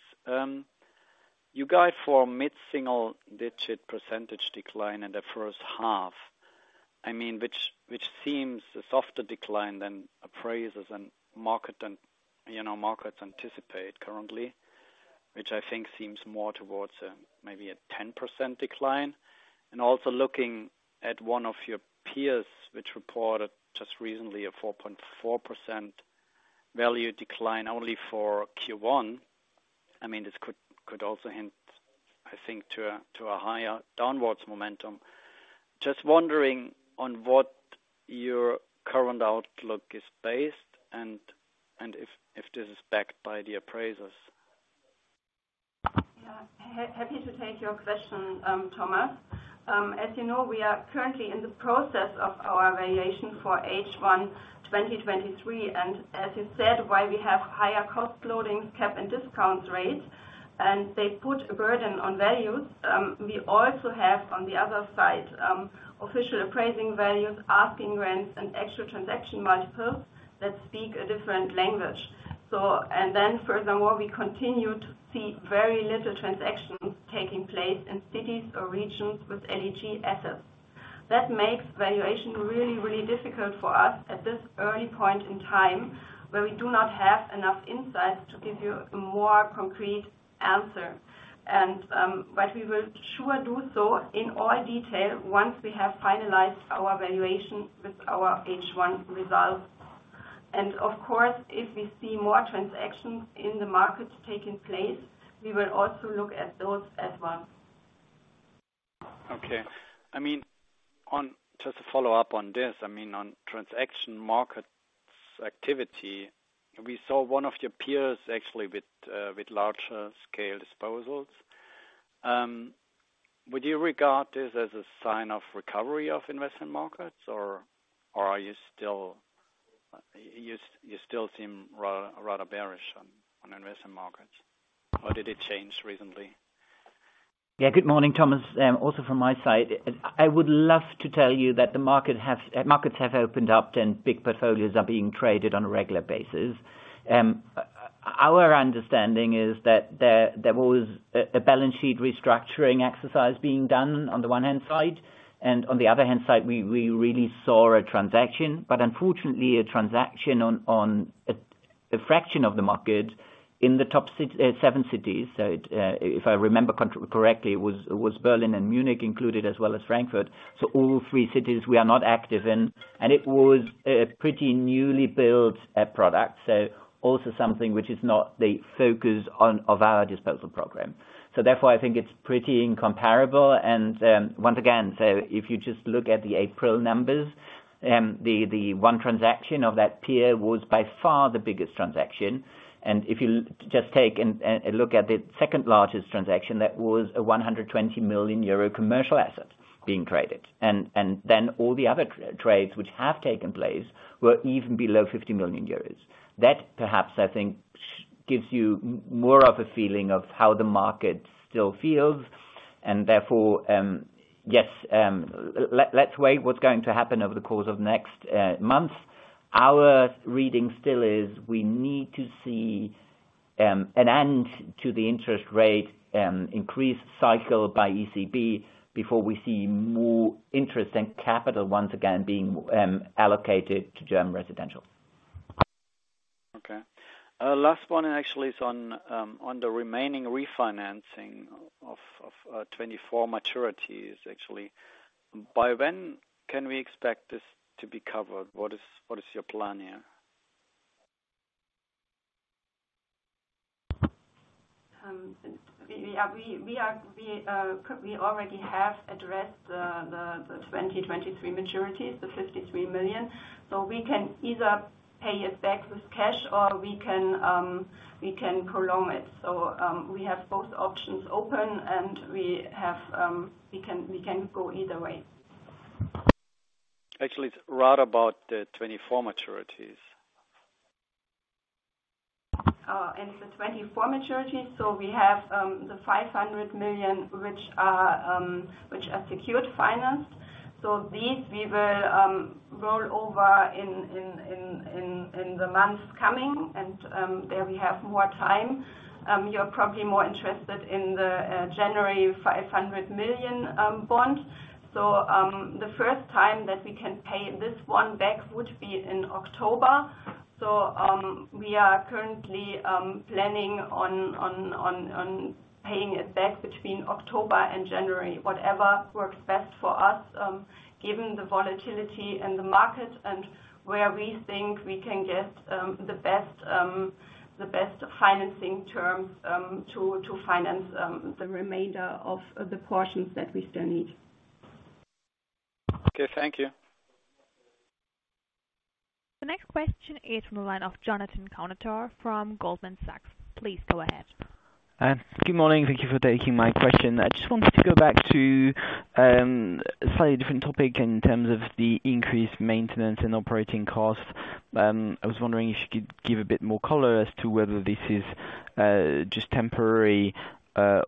You guide for mid-single-digit % decline in the first half. I mean, which seems a softer decline than appraisers and market and, you know, markets anticipate currently, which I think seems more towards maybe a 10% decline. Also looking at one of your peers, which reported just recently a 4.4% value decline only for Q1. I mean, this could also hint, I think to a higher downwards momentum. Just wondering on what your current outlook is based and if this is backed by the appraisers. Yeah. Happy to take your question, Thomas. As you know, we are currently in the process of our valuation for H1 in 2023. As you said, while we have higher cost loading cap and discount rates, and they put a burden on values, we also have on the other side, official appraising values, asking rents and extra transaction multiples that speak a different language. Furthermore, we continue to see very little transactions taking place in cities or regions with LEG assets. That makes valuation really difficult for us at this early point in time where we do not have enough insights to give you a more concrete answer. We will sure do so in all detail once we have finalized our valuation with our H1 results. Of course, if we see more transactions in the markets taking place, we will also look at those as one. I mean, on just to follow up on this, I mean, on transaction markets activity, we saw one of your peers actually with larger scale disposals. Would you regard this as a sign of recovery of investment markets or are you still rather bearish on investment markets? Or did it change recently? Yeah. Good morning, Thomas. Also from my side, I would love to tell you that markets have opened up and big portfolios are being traded on a regular basis. Our understanding is that there was a balance sheet restructuring exercise being done on the one hand side, and on the other hand side, we really saw a transaction, but unfortunately a transaction on a fraction of the market in the top six, seven cities. If I remember correctly, it was Berlin and Munich included, as well as Frankfurt. All three cities we are not active in, and it was a pretty newly built product. Also something which is not the focus of our disposal program. Therefore, I think it's pretty incomparable. Once again, if you just look at the April numbers, the one transaction of that tier was by far the biggest transaction. If you just take and look at the second largest transaction, that was a 120 million euro commercial asset being traded. Then all the other trades which have taken place were even below 50 million euros. That perhaps I think gives you more of a feeling of how the market still feels and therefore, yes, let's wait what's going to happen over the course of next months. Our reading still is we need to see an end to the interest rate increased cycle by ECB before we see more interest and capital once again being allocated to German residential. Okay. last one actually is on the remaining refinancing of 24 maturities actually. By when can we expect this to be covered? What is your plan here? We already have addressed the 2023 maturities, the 53 million. We can either pay it back with cash or we can prolong it. We have both options open and we have, we can go either way. Actually, it's right about the 24 maturities. The 2024 maturities. We have the 500 million, which are secured finance. These we will roll over in the months coming. There we have more time. You're probably more interested in the January 500 million bond. The first time that we can pay this one back would be in October. We are currently planning on paying it back between October and January. Whatever works best for us, given the volatility in the market and where we think we can get the best financing terms to finance the remainder of the portions that we still need. Okay, thank you. The next question is from the line of Jonathan Kownator from Goldman Sachs. Please go ahead. Good morning. Thank you for taking my question. I just wanted to go back to a slightly different topic in terms of the increased maintenance and operating costs. I was wondering if you could give a bit more color as to whether this is just temporary,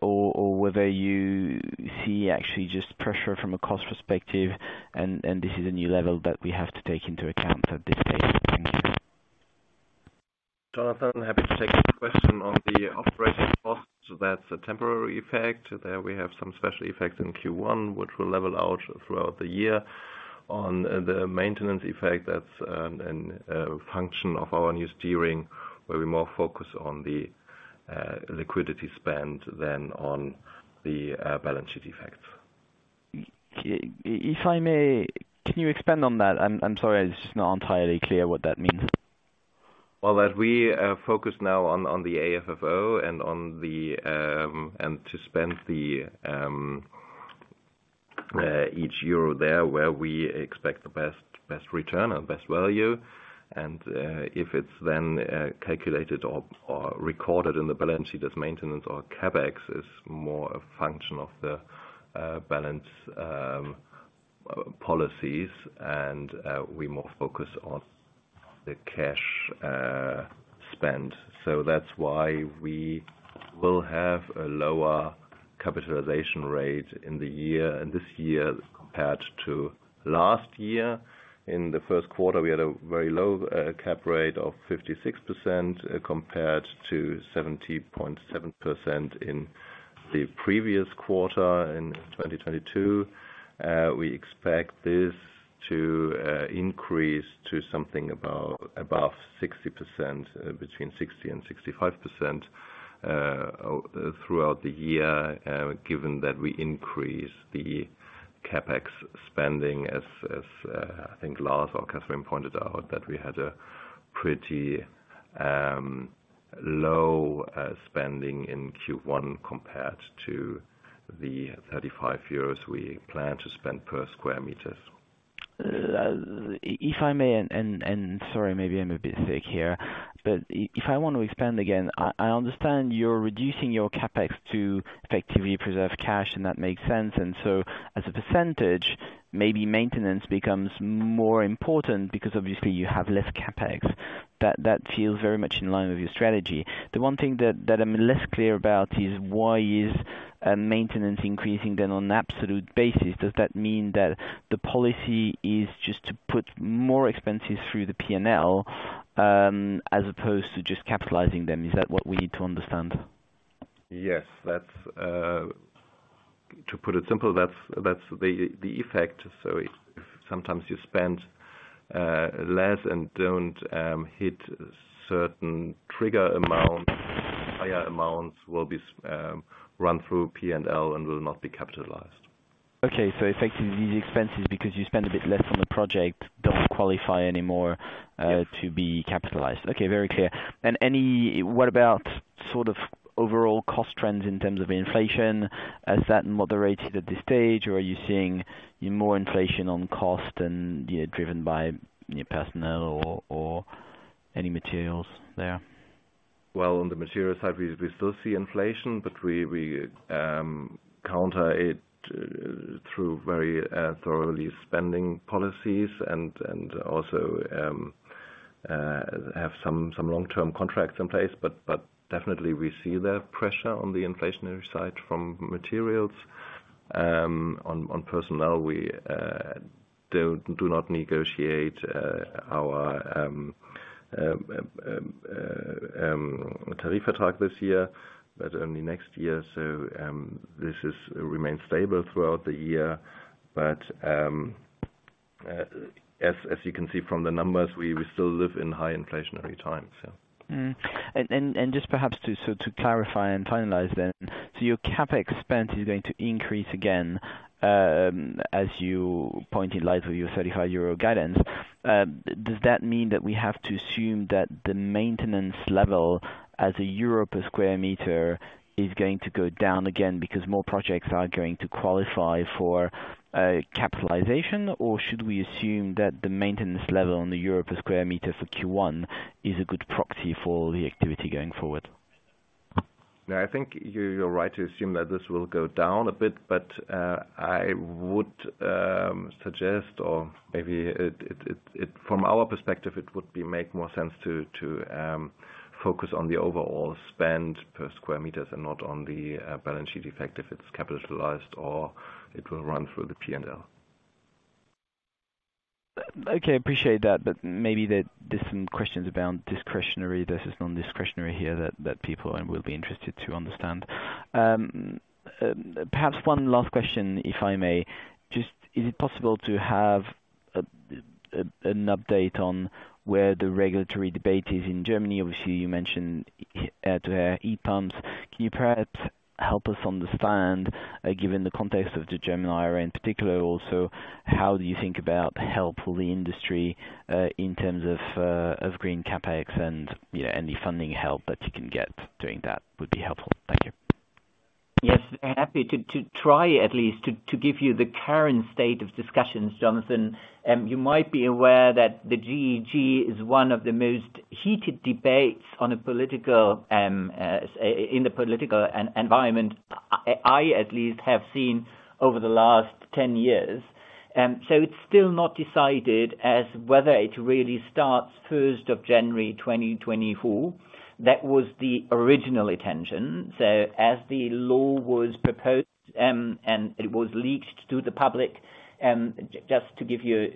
or whether you see actually just pressure from a cost perspective and this is a new level that we have to take into account at this stage. Thank you. Jonathan, happy to take your question. On the operating costs, that's a temporary effect. There we have some special effects in Q1, which will level out throughout the year. On the maintenance effect, that's a function of our new steering, where we're more focused on the liquidity spend than on the balance sheet effects. If I may, can you expand on that? I'm sorry, it's not entirely clear what that means. Well, that we focus now on the AFFO and on the and to spend the each euro there where we expect the best return and best value. If it's then calculated or recorded in the balance sheet as maintenance or CapEx is more a function of the balance policies. We're more focused on the cash spend. That's why we will have a lower capitalization rate in the year, in this year compared to last year. In the first quarter, we had a very low cap rate of 56% compared to 70.7% in the previous quarter in 2022. We expect this to increase to something about above 60%, between 60% and 65%, throughout the year, given that we increase the CapEx spending I think Lars or Kathrin pointed out that we had a pretty low spending in Q1 compared to the 35 euros we plan to spend per square meters. If I may, and sorry, maybe I'm a bit sick here, but if I wanna expand again, I understand you're reducing your CapEx to effectively preserve cash. That makes sense. As a percentage, maybe maintenance becomes more important because obviously you have less CapEx. That feels very much in line with your strategy. The one thing that I'm less clear about is why is maintenance increasing then on absolute basis? Does that mean that the policy is just to put more expenses through the P&L as opposed to just capitalizing them? Is that what we need to understand? Yes. That's, to put it simple, that's the effect. If sometimes you spend less and don't hit certain trigger amounts, higher amounts will be run through P&L and will not be capitalized. Okay. Effectively these expenses, because you spend a bit less on the project, don't qualify anymore. Yeah.to be capitalized. Okay. Very clear. What about sort of overall cost trends in terms of inflation? Has that moderated at this stage, or are you seeing more inflation on cost and, you know, driven by, you know, personnel or any materials there? Well, on the materials side, we still see inflation, but we counter it through very thoroughly spending policies and also have some long-term contracts in place, but definitely we see the pressure on the inflationary side from materials. On personnel, we do not negotiate our tariff adjustment this year, but only next year. This remains stable throughout the year. As you can see from the numbers, we still live in high inflationary times, yeah. Just perhaps to clarify and finalize then, so your CapEx spend is going to increase again, as you pointed in light of your 35 euro guidance. Does that mean that we have to assume that the maintenance level as a EUR per square meter is going to go down again because more projects are going to qualify for capitalization? Should we assume that the maintenance level on the EUR per square meter for Q1 is a good proxy for the activity going forward? No, I think you're right to assume that this will go down a bit, but I would suggest, or maybe From our perspective, it would be make more sense to focus on the overall spend per square meters and not on the balance sheet effect, if it's capitalized or it will run through the P&L. Okay. Appreciate that, but maybe there's some questions around discretionary versus non-discretionary here that people will be interested to understand. Perhaps one last question, if I may. Just is it possible to have an update on where the regulatory debate is in Germany? Obviously, you mentioned air-to-air heat pumps. Can you perhaps help us understand, given the context of the German IRA in particular also, how do you think about help for the industry, in terms of green CapEx and, you know, any funding help that you can get doing that would be helpful. Thank you. Yes. Happy to try at least to give you the current state of discussions, Jonathan. You might be aware that the GEG is one of the most heated debates on a political in the political environment I at least have seen over the last 10 years. It's still not decided as whether it really starts 1st of January 2024. That was the original intention. As the law was proposed, it was leaked to the public, just to give you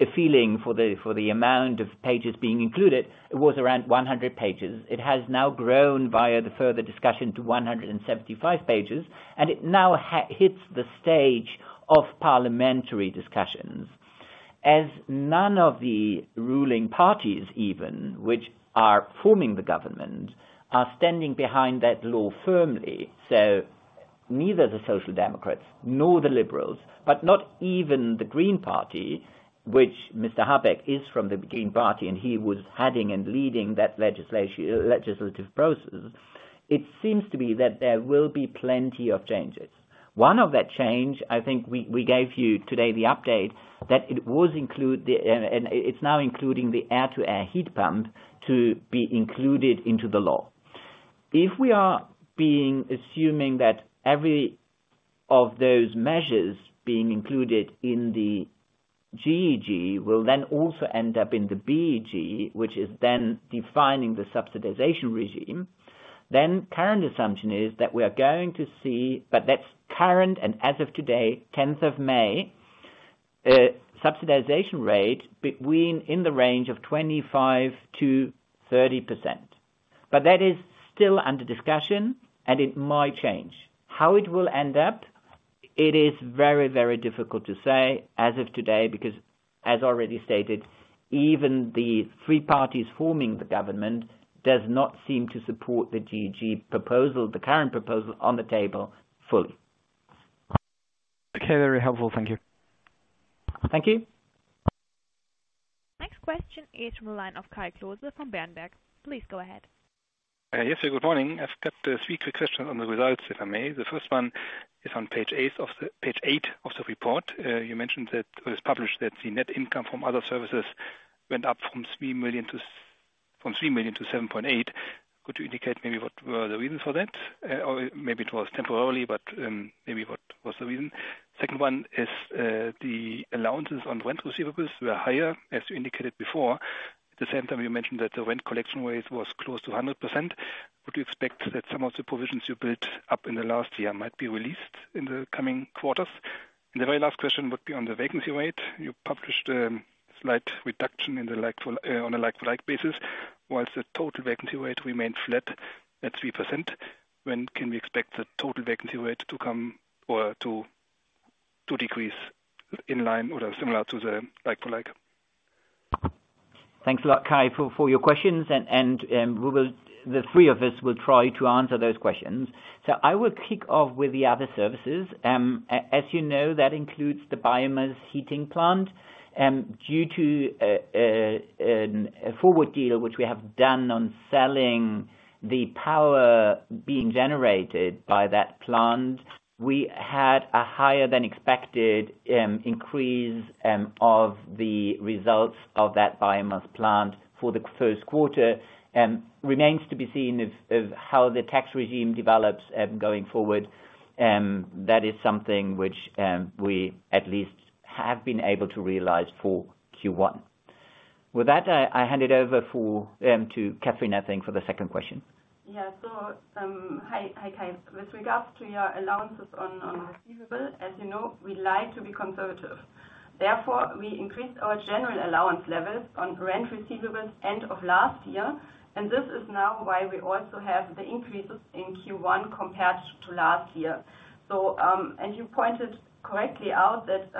a feeling for the amount of pages being included, it was around 100 pages. It has now grown via the further discussion to 175 pages, it now hits the stage of parliamentary discussions. None of the ruling parties, even, which are forming the government, are standing behind that law firmly, so neither the Social Democrats nor the Liberals, but not even the Green Party, which Mr. Habeck is from the Green Party, and he was heading and leading that legislative process, it seems to be that there will be plenty of changes. One of that change, I think we gave you today the update, that it was include the, and it's now including the air-to-air heat pump to be included into the law. If we are being assuming that every of those measures being included in the GEG will then also end up in the BEG, which is then defining the subsidization regime, then current assumption is that we are going to see that's current and as of today, 10th of May, subsidization rate between, in the range of 25%-30%. That is still under discussion and it might change. How it will end up, it is very, very difficult to say as of today because as already stated, even the three parties forming the government does not seem to support the GEG proposal, the current proposal on the table fully. Okay. Very helpful. Thank you. Thank you. Question 8 from the line of Kai Klose from Berenberg. Please go ahead. Yes, sir. Good morning. I've got three quick questions on the results, if I may. The first one is on Page eight of the report. You mentioned that, it was published that the net income from other services went up from 3 million to, from 3 million to 7.8 million. Could you indicate maybe what were the reasons for that? Or maybe it was temporarily, but, maybe what was the reason? Second one is, the allowances on rent receivables were higher, as you indicated before. At the same time, you mentioned that the rent collection rate was close to a 100%. Would you expect that some of the provisions you built up in the last year might be released in the coming quarters? The very last question would be on the vacancy rate. You published, slight reduction in the like for on a like-for-like basis, whilst the total vacancy rate remained flat at 3%. When can we expect the total vacancy rate to come or to decrease in line or similar to the like-for-like? Thanks a lot, Kai, for your questions. The three of us will try to answer those questions. I will kick off with the other services. As you know, that includes the biomass heating plant. Due to a forward deal, which we have done on selling the power being generated by that plant, we had a higher than expected increase of the results of that biomass plant for the first quarter. Remains to be seen of how the tax regime develops going forward. That is something which we at least have been able to realize for Q1. With that, I hand it over for to Kathrin, I think, for the second question. Yeah. Hi, Kai. With regards to your allowances on receivable, as you know, we like to be conservative. Therefore, we increased our general allowance levels on rent receivables end of last year, and this is now why we also have the increases in Q1 compared to last year. You pointed correctly out that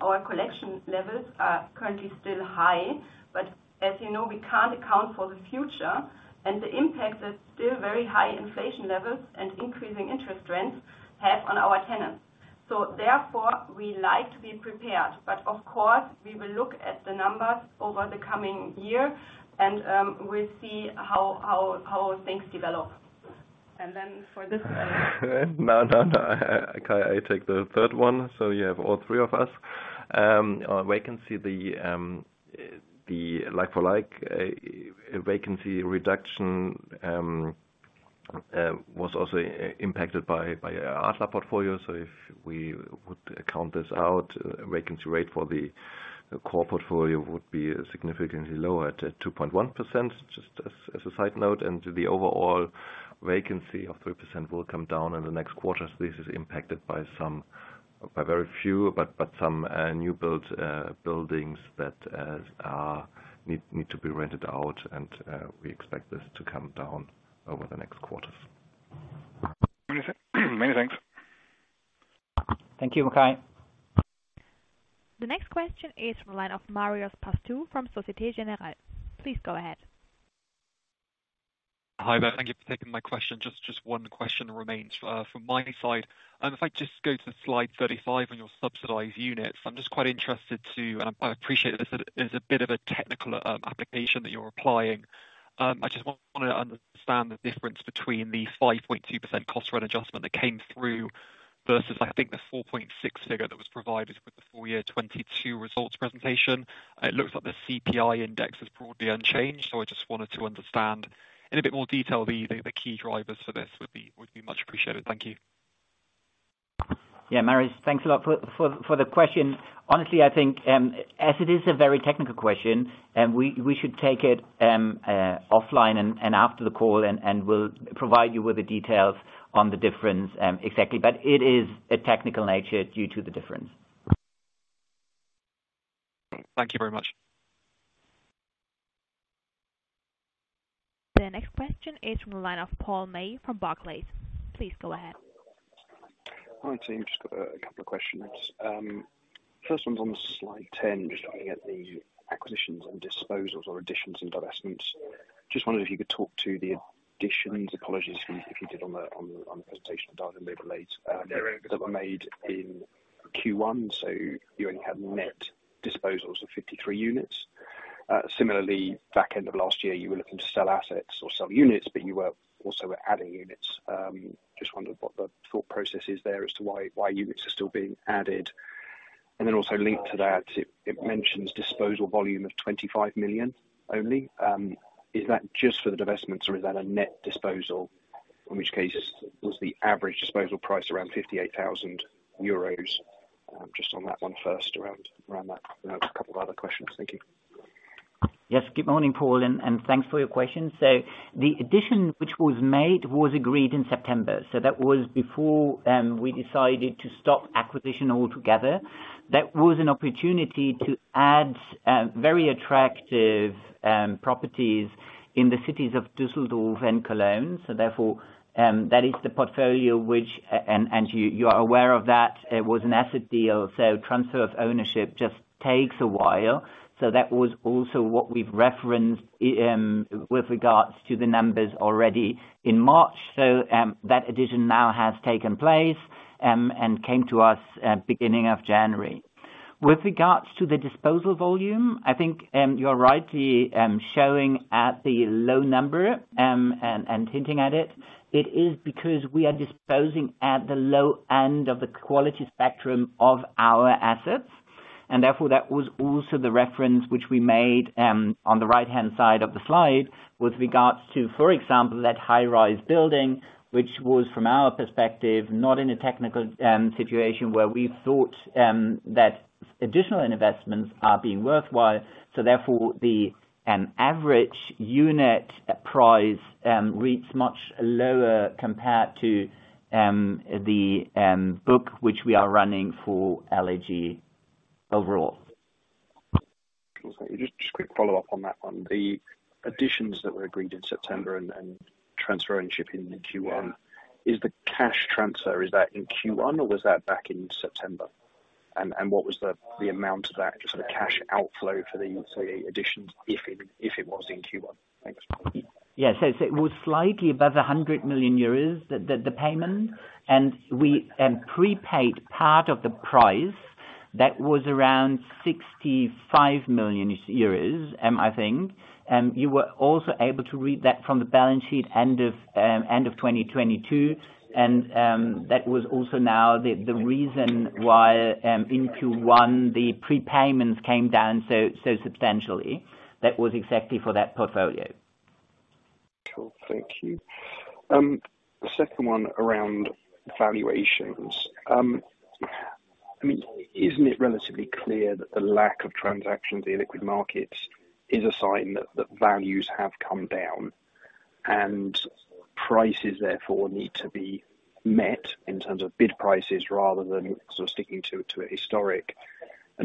our collection levels are currently still high, but as you know, we can't account for the future, and the impact is still very high inflation levels and increasing interest rates have on our tenants. Therefore, we like to be prepared. Of course, we will look at the numbers over the coming year and we'll see how things develop. For this. No, no, no. Kai, I take the third one, so you have all three of us. Um, on vacancy the, um, the like for like, uh, vacancy reduction, um, um, was also i-impacted by, by our Adler portfolio. So if we would count this out, vacancy rate for the core portfolio would be significantly lower at, at two point one percent, just as, as a side note. And the overall vacancy of three percent will come down in the next quarters. This is impacted by some... by very few, but, but some, uh, new build, uh, buildings that, uh, need, need to be rented out and, uh, we expect this to come down over the next quarters. Many thanks. Thank you, Kai. The next question is from the line of Marius Pastu from Société Générale. Please go ahead. Hi there. Thank you for taking my question. Just one question remains from my side. If I just go to Slide 35 on your subsidized units, I'm just quite interested to, and I appreciate this is a bit of a technical application that you're applying. I just want to understand the difference between the 5.2% cost rent adjustment that came through versus, I think, the 4.6 figure that was provided with the full year 2022 results presentation. It looks like the CPI index is broadly unchanged, so I just wanted to understand in a bit more detail the key drivers for this would be much appreciated. Thank you. Marius, thanks a lot for the question. I think, as it is a very technical question, we should take it offline and after the call and we'll provide you with the details on the difference exactly. It is a technical nature due to the difference. Thank you very much. The next question is from the line of Paul May from Barclays. Please go ahead. Hi team. Just got a couple of questions. First one's on Slide 10, just looking at the acquisitions and disposals or additions and divestments. Just wondered if you could talk to the additions. Apologies if you did on the presentation dive and they were late, that were made in Q1, so you only had net disposals of 53 units. Similarly, back end of last year, you were looking to sell assets or sell units, but you were also adding units. Just wondered what the thought process is there as to why units are still being added. Also linked to that, it mentions disposal volume of 25 million only. Is that just for the divestments or is that a net disposal? In which case, was the average disposal price around EUR 58,000?just on that one first around that. I have a couple of other questions. Thank you. Yes. Good morning, Paul, and thanks for your question. The addition which was made was agreed in September. That was before we decided to stop acquisition altogether. That was an opportunity to add very attractive properties in the cities of Düsseldorf and Cologne. Therefore, that is the portfolio which and you are aware of that, it was an asset deal, so transfer of ownership just takes a while. That was also what we've referenced with regards to the numbers already in March. That addition now has taken place and came to us at beginning of January. With regards to the disposal volume, I think you're rightly showing at the low number and hinting at it. It is because we are disposing at the low end of the quality spectrum of our assets, and therefore, that was also the reference which we made, on the right-hand side of the slide with regards to, for example, that high-rise building, which was, from our perspective, not in a technical situation where we thought, that additional investments are being worthwhile. Therefore the average unit price reads much lower compared to the book which we are running for LEG overall. Just a quick follow-up on that one. The additions that were agreed in September and transfer ownership in Q1. Is the cash transfer, is that in Q1, or was that back in September? What was the amount of that, just the cash outflow for the, say, additions, if it was in Q1? Thanks. Yes. It was slightly above 100 million euros, the payment. We prepaid part of the price that was around 65 million euros, I think. You were also able to read that from the balance sheet end of 2022. That was also now the reason why in Q1 the prepayments came down so substantially. That was exactly for that portfolio. Cool. Thank you. The second one around valuations. I mean, isn't it relatively clear that the lack of transaction in the liquid markets is a sign that values have come down, and prices therefore need to be met in terms of bid prices rather than sort of sticking to a historic?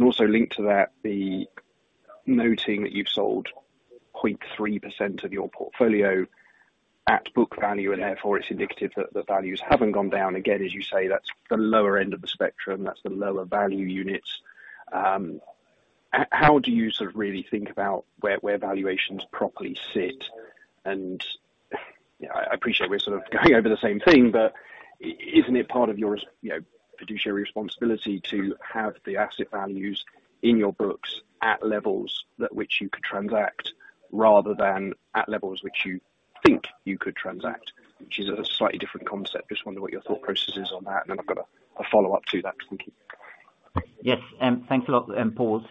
Also linked to that, the noting that you've sold 0.3% of your portfolio at book value, and therefore it's indicative that values haven't gone down again. As you say, that's the lower end of the spectrum. That's the lower value units. How do you sort of really think about where valuations properly sit? You know, I appreciate we're sort of going over the same thing, but isn't it part of your you know, fiduciary responsibility to have the asset values in your books at levels that which you could transact rather than at levels which you think you could transact? Which is a slightly different concept. Just wonder what your thought process is on that. Then I've got a follow-up to that. Thank you. Yes. Thanks a lot, Paul.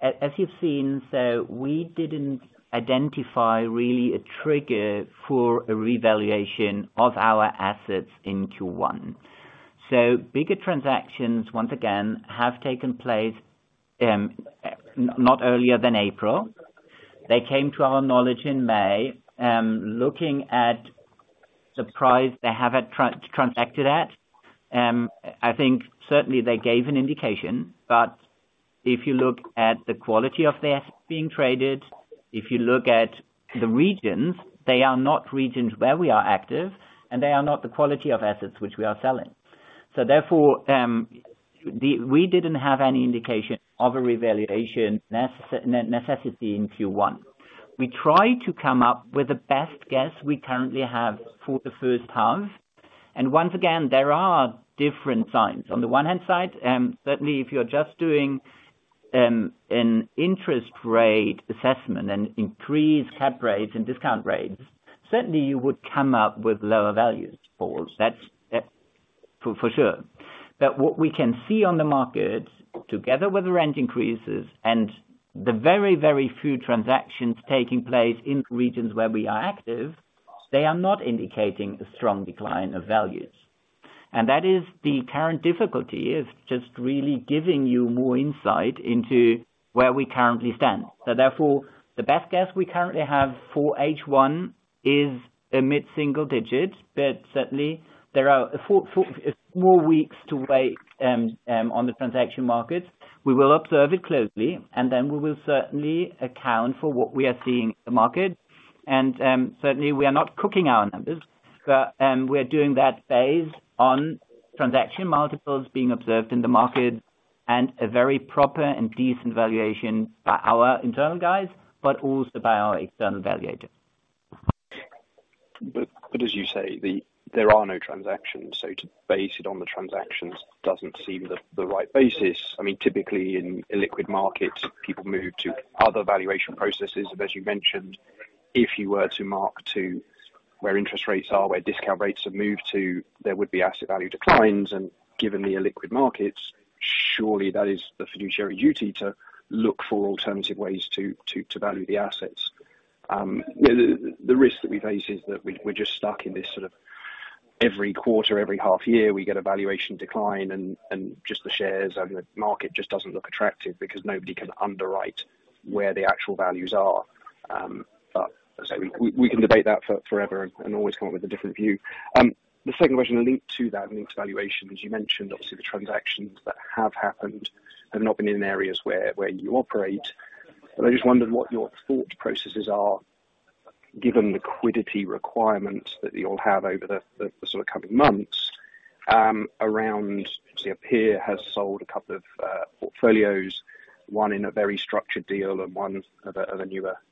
As you've seen, we didn't identify really a trigger for a revaluation of our assets in Q1. Bigger transactions, once again, have taken place not earlier than April. They came to our knowledge in May. Looking at the price they have it transacted at, I think certainly they gave an indication. If you look at the quality of the assets being traded, if you look at the regions, they are not regions where we are active, and they are not the quality of assets which we are selling. Therefore, we didn't have any indication of a revaluation necessity in Q1. We try to come up with the best guess we currently have for the first half. Once again, there are different signs. On the one hand side, certainly if you're just doing an interest rate assessment and increased cap rates and discount rates, certainly you would come up with lower values, Paul. That's for sure. What we can see on the market, together with the rent increases and the very, very few transactions taking place in regions where we are active, they are not indicating a strong decline of values. That is the current difficulty, is just really giving you more insight into where we currently stand. Therefore, the best guess we currently have for H1 is a mid-single digit, but certainly there are four weeks to wait on the transaction markets. We will observe it closely, and then we will certainly account for what we are seeing in the market. Certainly we are not cooking our numbers. We're doing that based on transaction multiples being observed in the market and a very proper and decent valuation by our internal guys, but also by our external valuator. As you say, the. There are no transactions, so to base it on the transactions doesn't seem the right basis. I mean, typically in illiquid markets, people move to other valuation processes. As you mentioned, if you were to mark to where interest rates are, where discount rates have moved to, there would be asset value declines. Given the illiquid markets, surely that is the fiduciary duty to look for alternative ways to value the assets. The risk that we face is that we're just stuck in this sort of every quarter, every half year, we get a valuation decline and just the shares and the market just doesn't look attractive because nobody can underwrite where the actual values are. As I say, we can debate that forever and always come up with a different view. The second question linked to that and linked to valuation, as you mentioned, obviously the transactions that have happened have not been in areas where you operate. I just wondered what your thought processes are given the liquidity requirements that you'll have over the sort of coming months, around, obviously, a peer has sold a couple of portfolios, one in a very structured deal and one of a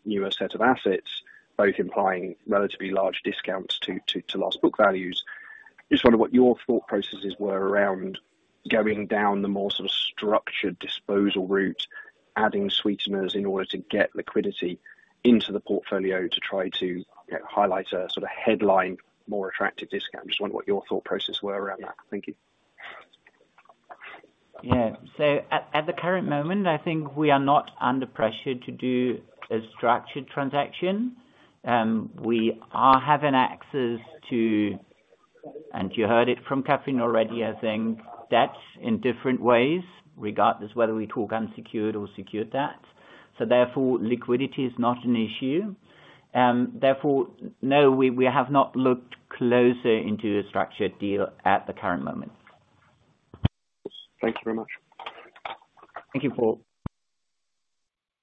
newer set of assets, both implying relatively large discounts to loss book values. Just wonder what your thought processes were around going down the more sort of structured disposal route, adding sweeteners in order to get liquidity into the portfolio to try to, you know, highlight a sort of headline, more attractive discount. Just wonder what your thought process were around that. Thank you. At the current moment, I think we are not under pressure to do a structured transaction. We are having access to, and you heard it from Kathrin already, I think, debts in different ways, regardless whether we talk unsecured or secured debt. Therefore, liquidity is not an issue. Therefore, no, we have not looked closer into a structured deal at the current moment. Thanks very much. Thank you, Paul.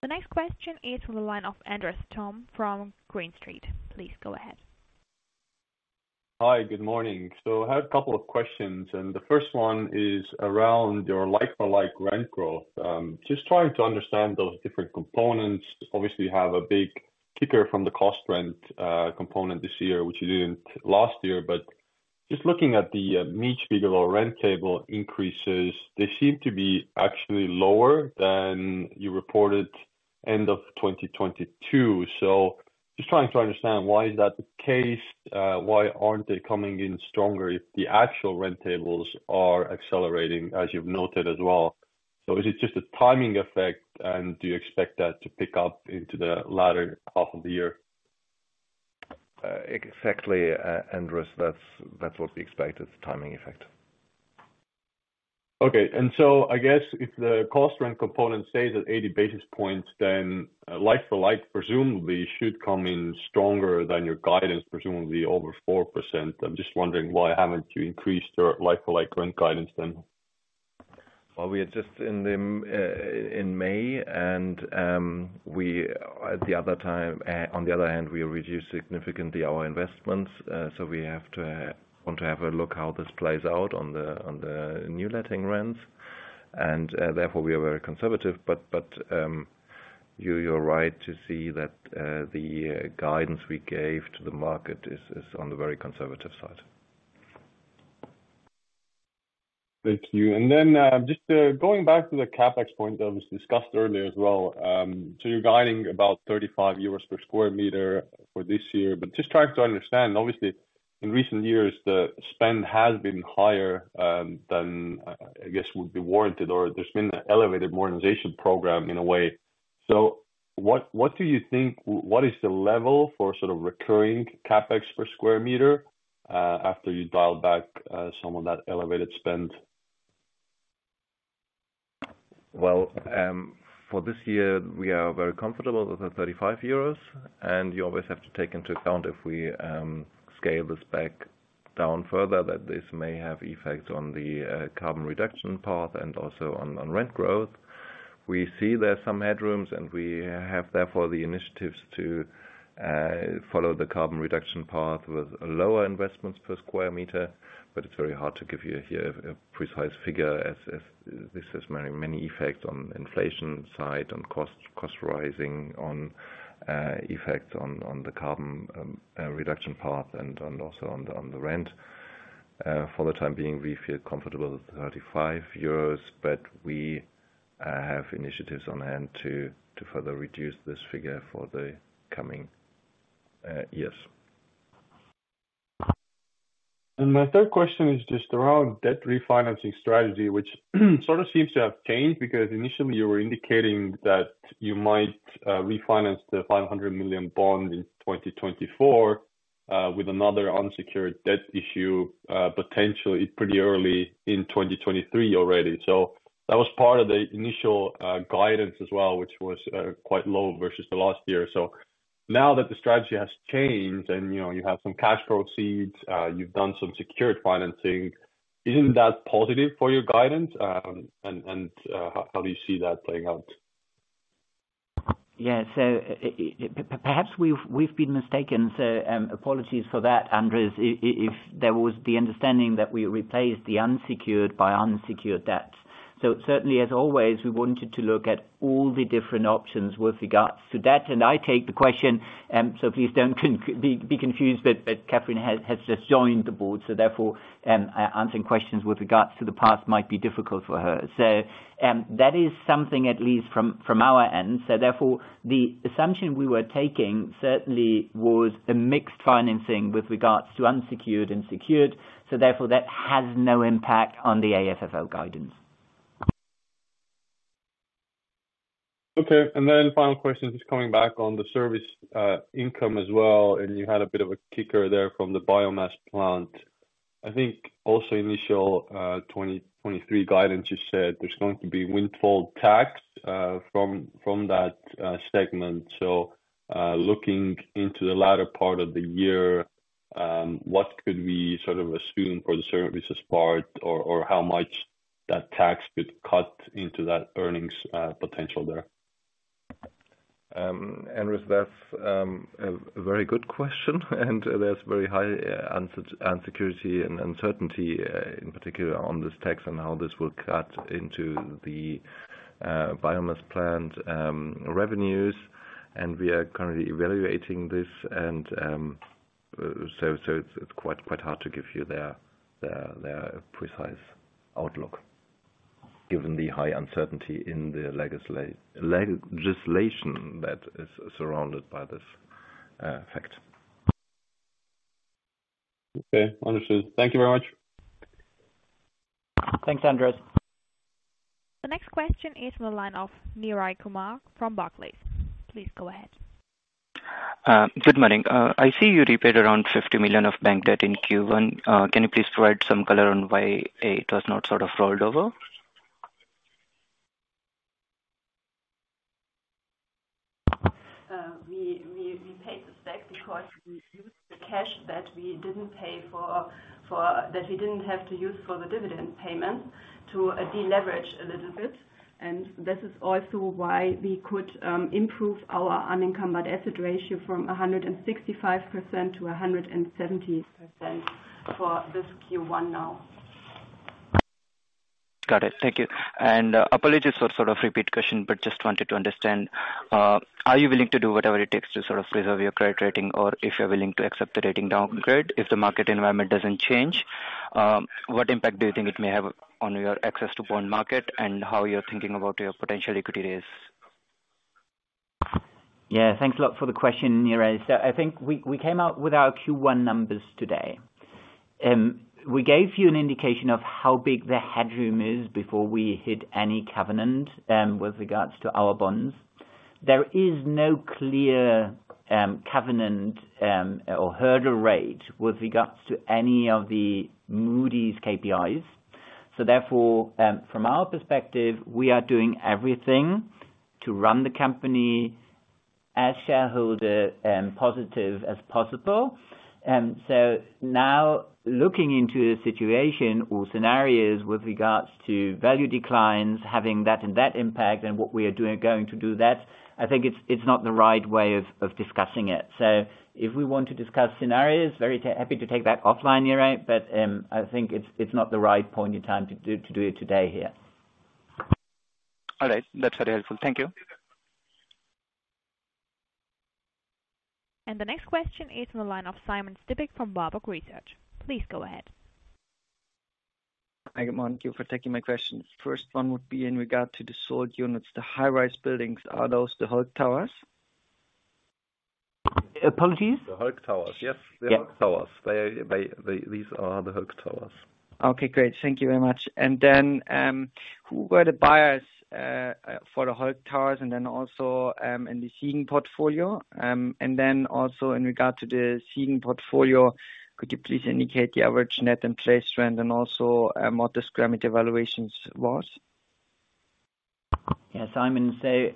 The next question is from the line of Andres Toome from Green Street. Please go ahead. Hi, good morning. I had a couple of questions, and the first one is around your like-for-like rent growth. Just trying to understand those different components. Obviously, you have a big kicker from the cost rent component this year, which you didn't last year. Just looking at the each figure or rent table increases, they seem to be actually lower than you reported end of 2022. Just trying to understand why is that the case. Why aren't they coming in stronger if the actual rent tables are accelerating, as you've noted as well? Is it just a timing effect, and do you expect that to pick up into the latter half of the year? Exactly, Andres, that's what we expect. It's a timing effect. Okay. I guess if the cost rent component stays at 80 basis points, then like-for-like presumably should come in stronger than your guidance, presumably over 4%. I'm just wondering why haven't you increased your like-for-like rent guidance then? We are just in May, and we. On the other hand, we reduced significantly our investments. We have to want to have a look how this plays out on the new letting rents, and, therefore, we are very conservative. You're right to see that the guidance we gave to the market is on the very conservative side. Thank you. Then, just going back to the CapEx point that was discussed earlier as well. You're guiding about 35 euros per square meter for this year. Just trying to understand, obviously in recent years, the spend has been higher than I guess would be warranted, or there's been an elevated modernization program in a way. What, what do you think, what is the level for sort of recurring CapEx per square meter after you dial back some of that elevated spend? Well, for this year, we are very comfortable with the 35 euros, and you always have to take into account if we scale this back down further that this may have effect on the carbon reduction path and also on rent growth. We see there's some headrooms, and we have therefore the initiatives to follow the carbon reduction path with lower investments per square meter. It's very hard to give you here a precise figure as this has many, many effects on inflation side, on cost rising, on effect on the carbon reduction path and also on the rent. For the time being, we feel comfortable with 35 euros, but we have initiatives on hand to further reduce this figure for the coming years. My third question is just around debt refinancing strategy, which sort of seems to have changed. Initially you were indicating that you might refinance the 500 million bond in 2024 with another unsecured debt issue, potentially pretty early in 2023 already. That was part of the initial guidance as well, which was quite low versus the last year. Now that the strategy has changed and, you know, you have some cash proceeds, you've done some secured financing, isn't that positive for your guidance? And, how do you see that playing out? Yeah. Perhaps we've been mistaken. Apologies for that, Andres, if there was the understanding that we replaced the unsecured by unsecured debt. Certainly, as always, we wanted to look at all the different options with regards to debt. I take the question, please don't be confused that Kathrin has just joined the board, therefore, answering questions with regards to the past might be difficult for her. That is something at least from our end. Therefore, the assumption we were taking certainly was a mixed financing with regards to unsecured and secured, therefore that has no impact on the AFFO guidance. Okay. Final question, just coming back on the service income as well, and you had a bit of a kicker there from the biomass plant. I think also initial 2023 guidance, you said there's going to be windfall tax from that segment. Looking into the latter part of the year, what could we sort of assume for the services part or how much that tax could cut into that earnings potential there? Andres, that's a very good question and there's very high unsecurity and uncertainty in particular on this tax and how this will cut into biomass plant revenues, and we are currently evaluating this and so it's quite hard to give you the precise outlook given the high uncertainty in the legislation that is surrounded by this fact. Okay. Understood. Thank you very much. Thanks, Andres. The next question is from the line of Neeraj Kumar from Barclays. Please go ahead. Good morning. I see you repaid around 50 million of bank debt in Q1. Can you please provide some color on why, a, it was not sort of rolled over? We paid this back because we used the cash that we didn't pay for that we didn't have to use for the dividend payment to deleverage a little bit. This is also why we could improve our unencumbered asset ratio from 165% to 170% for this Q1 now. Got it. Thank you. Apologies for sort of repeat question, but just wanted to understand, are you willing to do whatever it takes to sort of preserve your credit rating, or if you're willing to accept the rating downgrade if the market environment doesn't change? What impact do you think it may have on your access to bond market and how you're thinking about your potential equity raise? Yeah. Thanks a lot for the question, Neeraj. I think we came out with our Q1 numbers today. We gave you an indication of how big the headroom is before we hit any covenant with regards to our bonds. There is no clear covenant or hurdle rate with regards to any of the Moody's KPIs. Therefore, from our perspective, we are doing everything to run the company as shareholder positive as possible. Now looking into the situation or scenarios with regards to value declines, having that impact and what we are going to do that, I think it's not the right way of discussing it. If we want to discuss scenarios, very happy to take that offline, Neeraj, but, I think it's not the right point in time to do it today here. All right. That's very helpful. Thank you. The next question is in the line of Simon Stippig from Warburg Research. Please go ahead. Hi, good morning. Thank you for taking my questions. First one would be in regard to the sold units, the high rise buildings. Are those the Hulk Towers? Apologies? The Hulk Towers, yes. Yeah. The Hulk Towers. They are, these are the Hulk Towers. Okay, great. Thank you very much. Who were the buyers for the Hulk Towers and then also in the Siegen portfolio? Also in regard to the Siegen portfolio, could you please indicate the average net and place trend and also, what the square meter evaluations was? Simon, so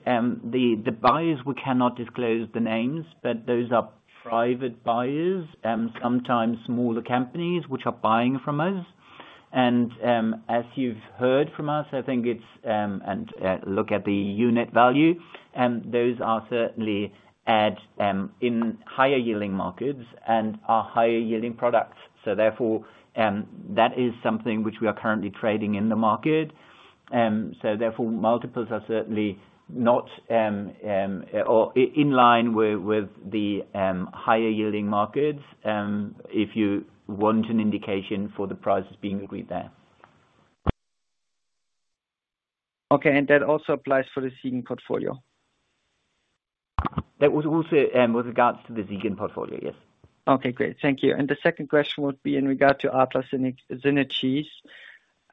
the buyers, we cannot disclose the names, but those are private buyers and sometimes smaller companies which are buying from us. As you've heard from us, I think it's, and look at the unit value, those are certainly at in higher yielding markets and are higher yielding products. Therefore, that is something which we are currently trading in the market. Therefore, multiples are certainly not in line with the higher yielding markets, if you want an indication for the prices being agreed there. Okay. That also applies for the Siegen portfolio? That would also, with regards to the Siegen portfolio, yes. Okay, great. Thank you. The second question would be in regard to ARTAS synergies.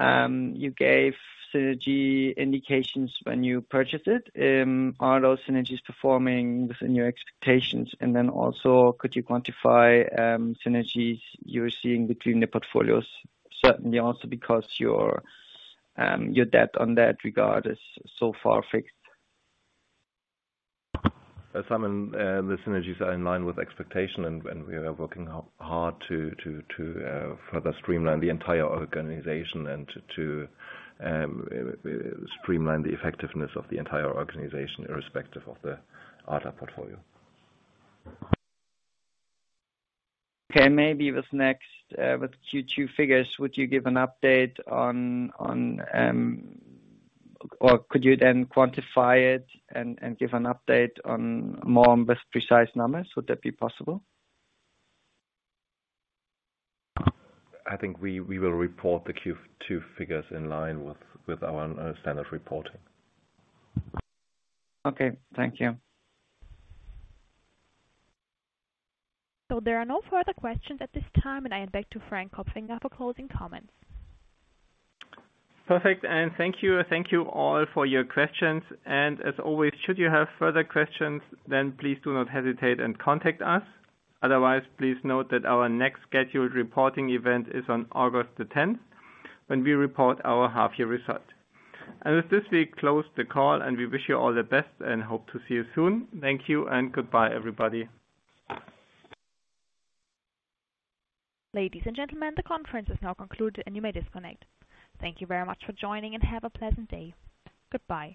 You gave synergy indications when you purchased it. Are those synergies performing within your expectations? Could you quantify synergies you're seeing between the portfolios? Certainly also because your debt on that regard is so far fixed. Simon, the synergies are in line with expectation and we are working hard to further streamline the entire organization and to streamline the effectiveness of the entire organization irrespective of the ARTAS portfolio. Okay. Maybe what's next, with Q2 figures, would you give an update on? Could you then quantify it and give an update on more on with precise numbers? Would that be possible? I think we will report the Q2 figures in line with our standard reporting. Okay. Thank you. There are no further questions at this time, and I hand back to Frank Kopfinger for closing comments. Perfect, thank you. Thank you all for your questions. As always, should you have further questions, please do not hesitate and contact us. Otherwise, please note that our next scheduled reporting event is on August 10th, when we report our half year results. With this, we close the call, and we wish you all the best and hope to see you soon. Thank you and goodbye everybody. Ladies and gentlemen, the conference is now concluded, and you may disconnect. Thank you very much for joining, and have a pleasant day. Goodbye.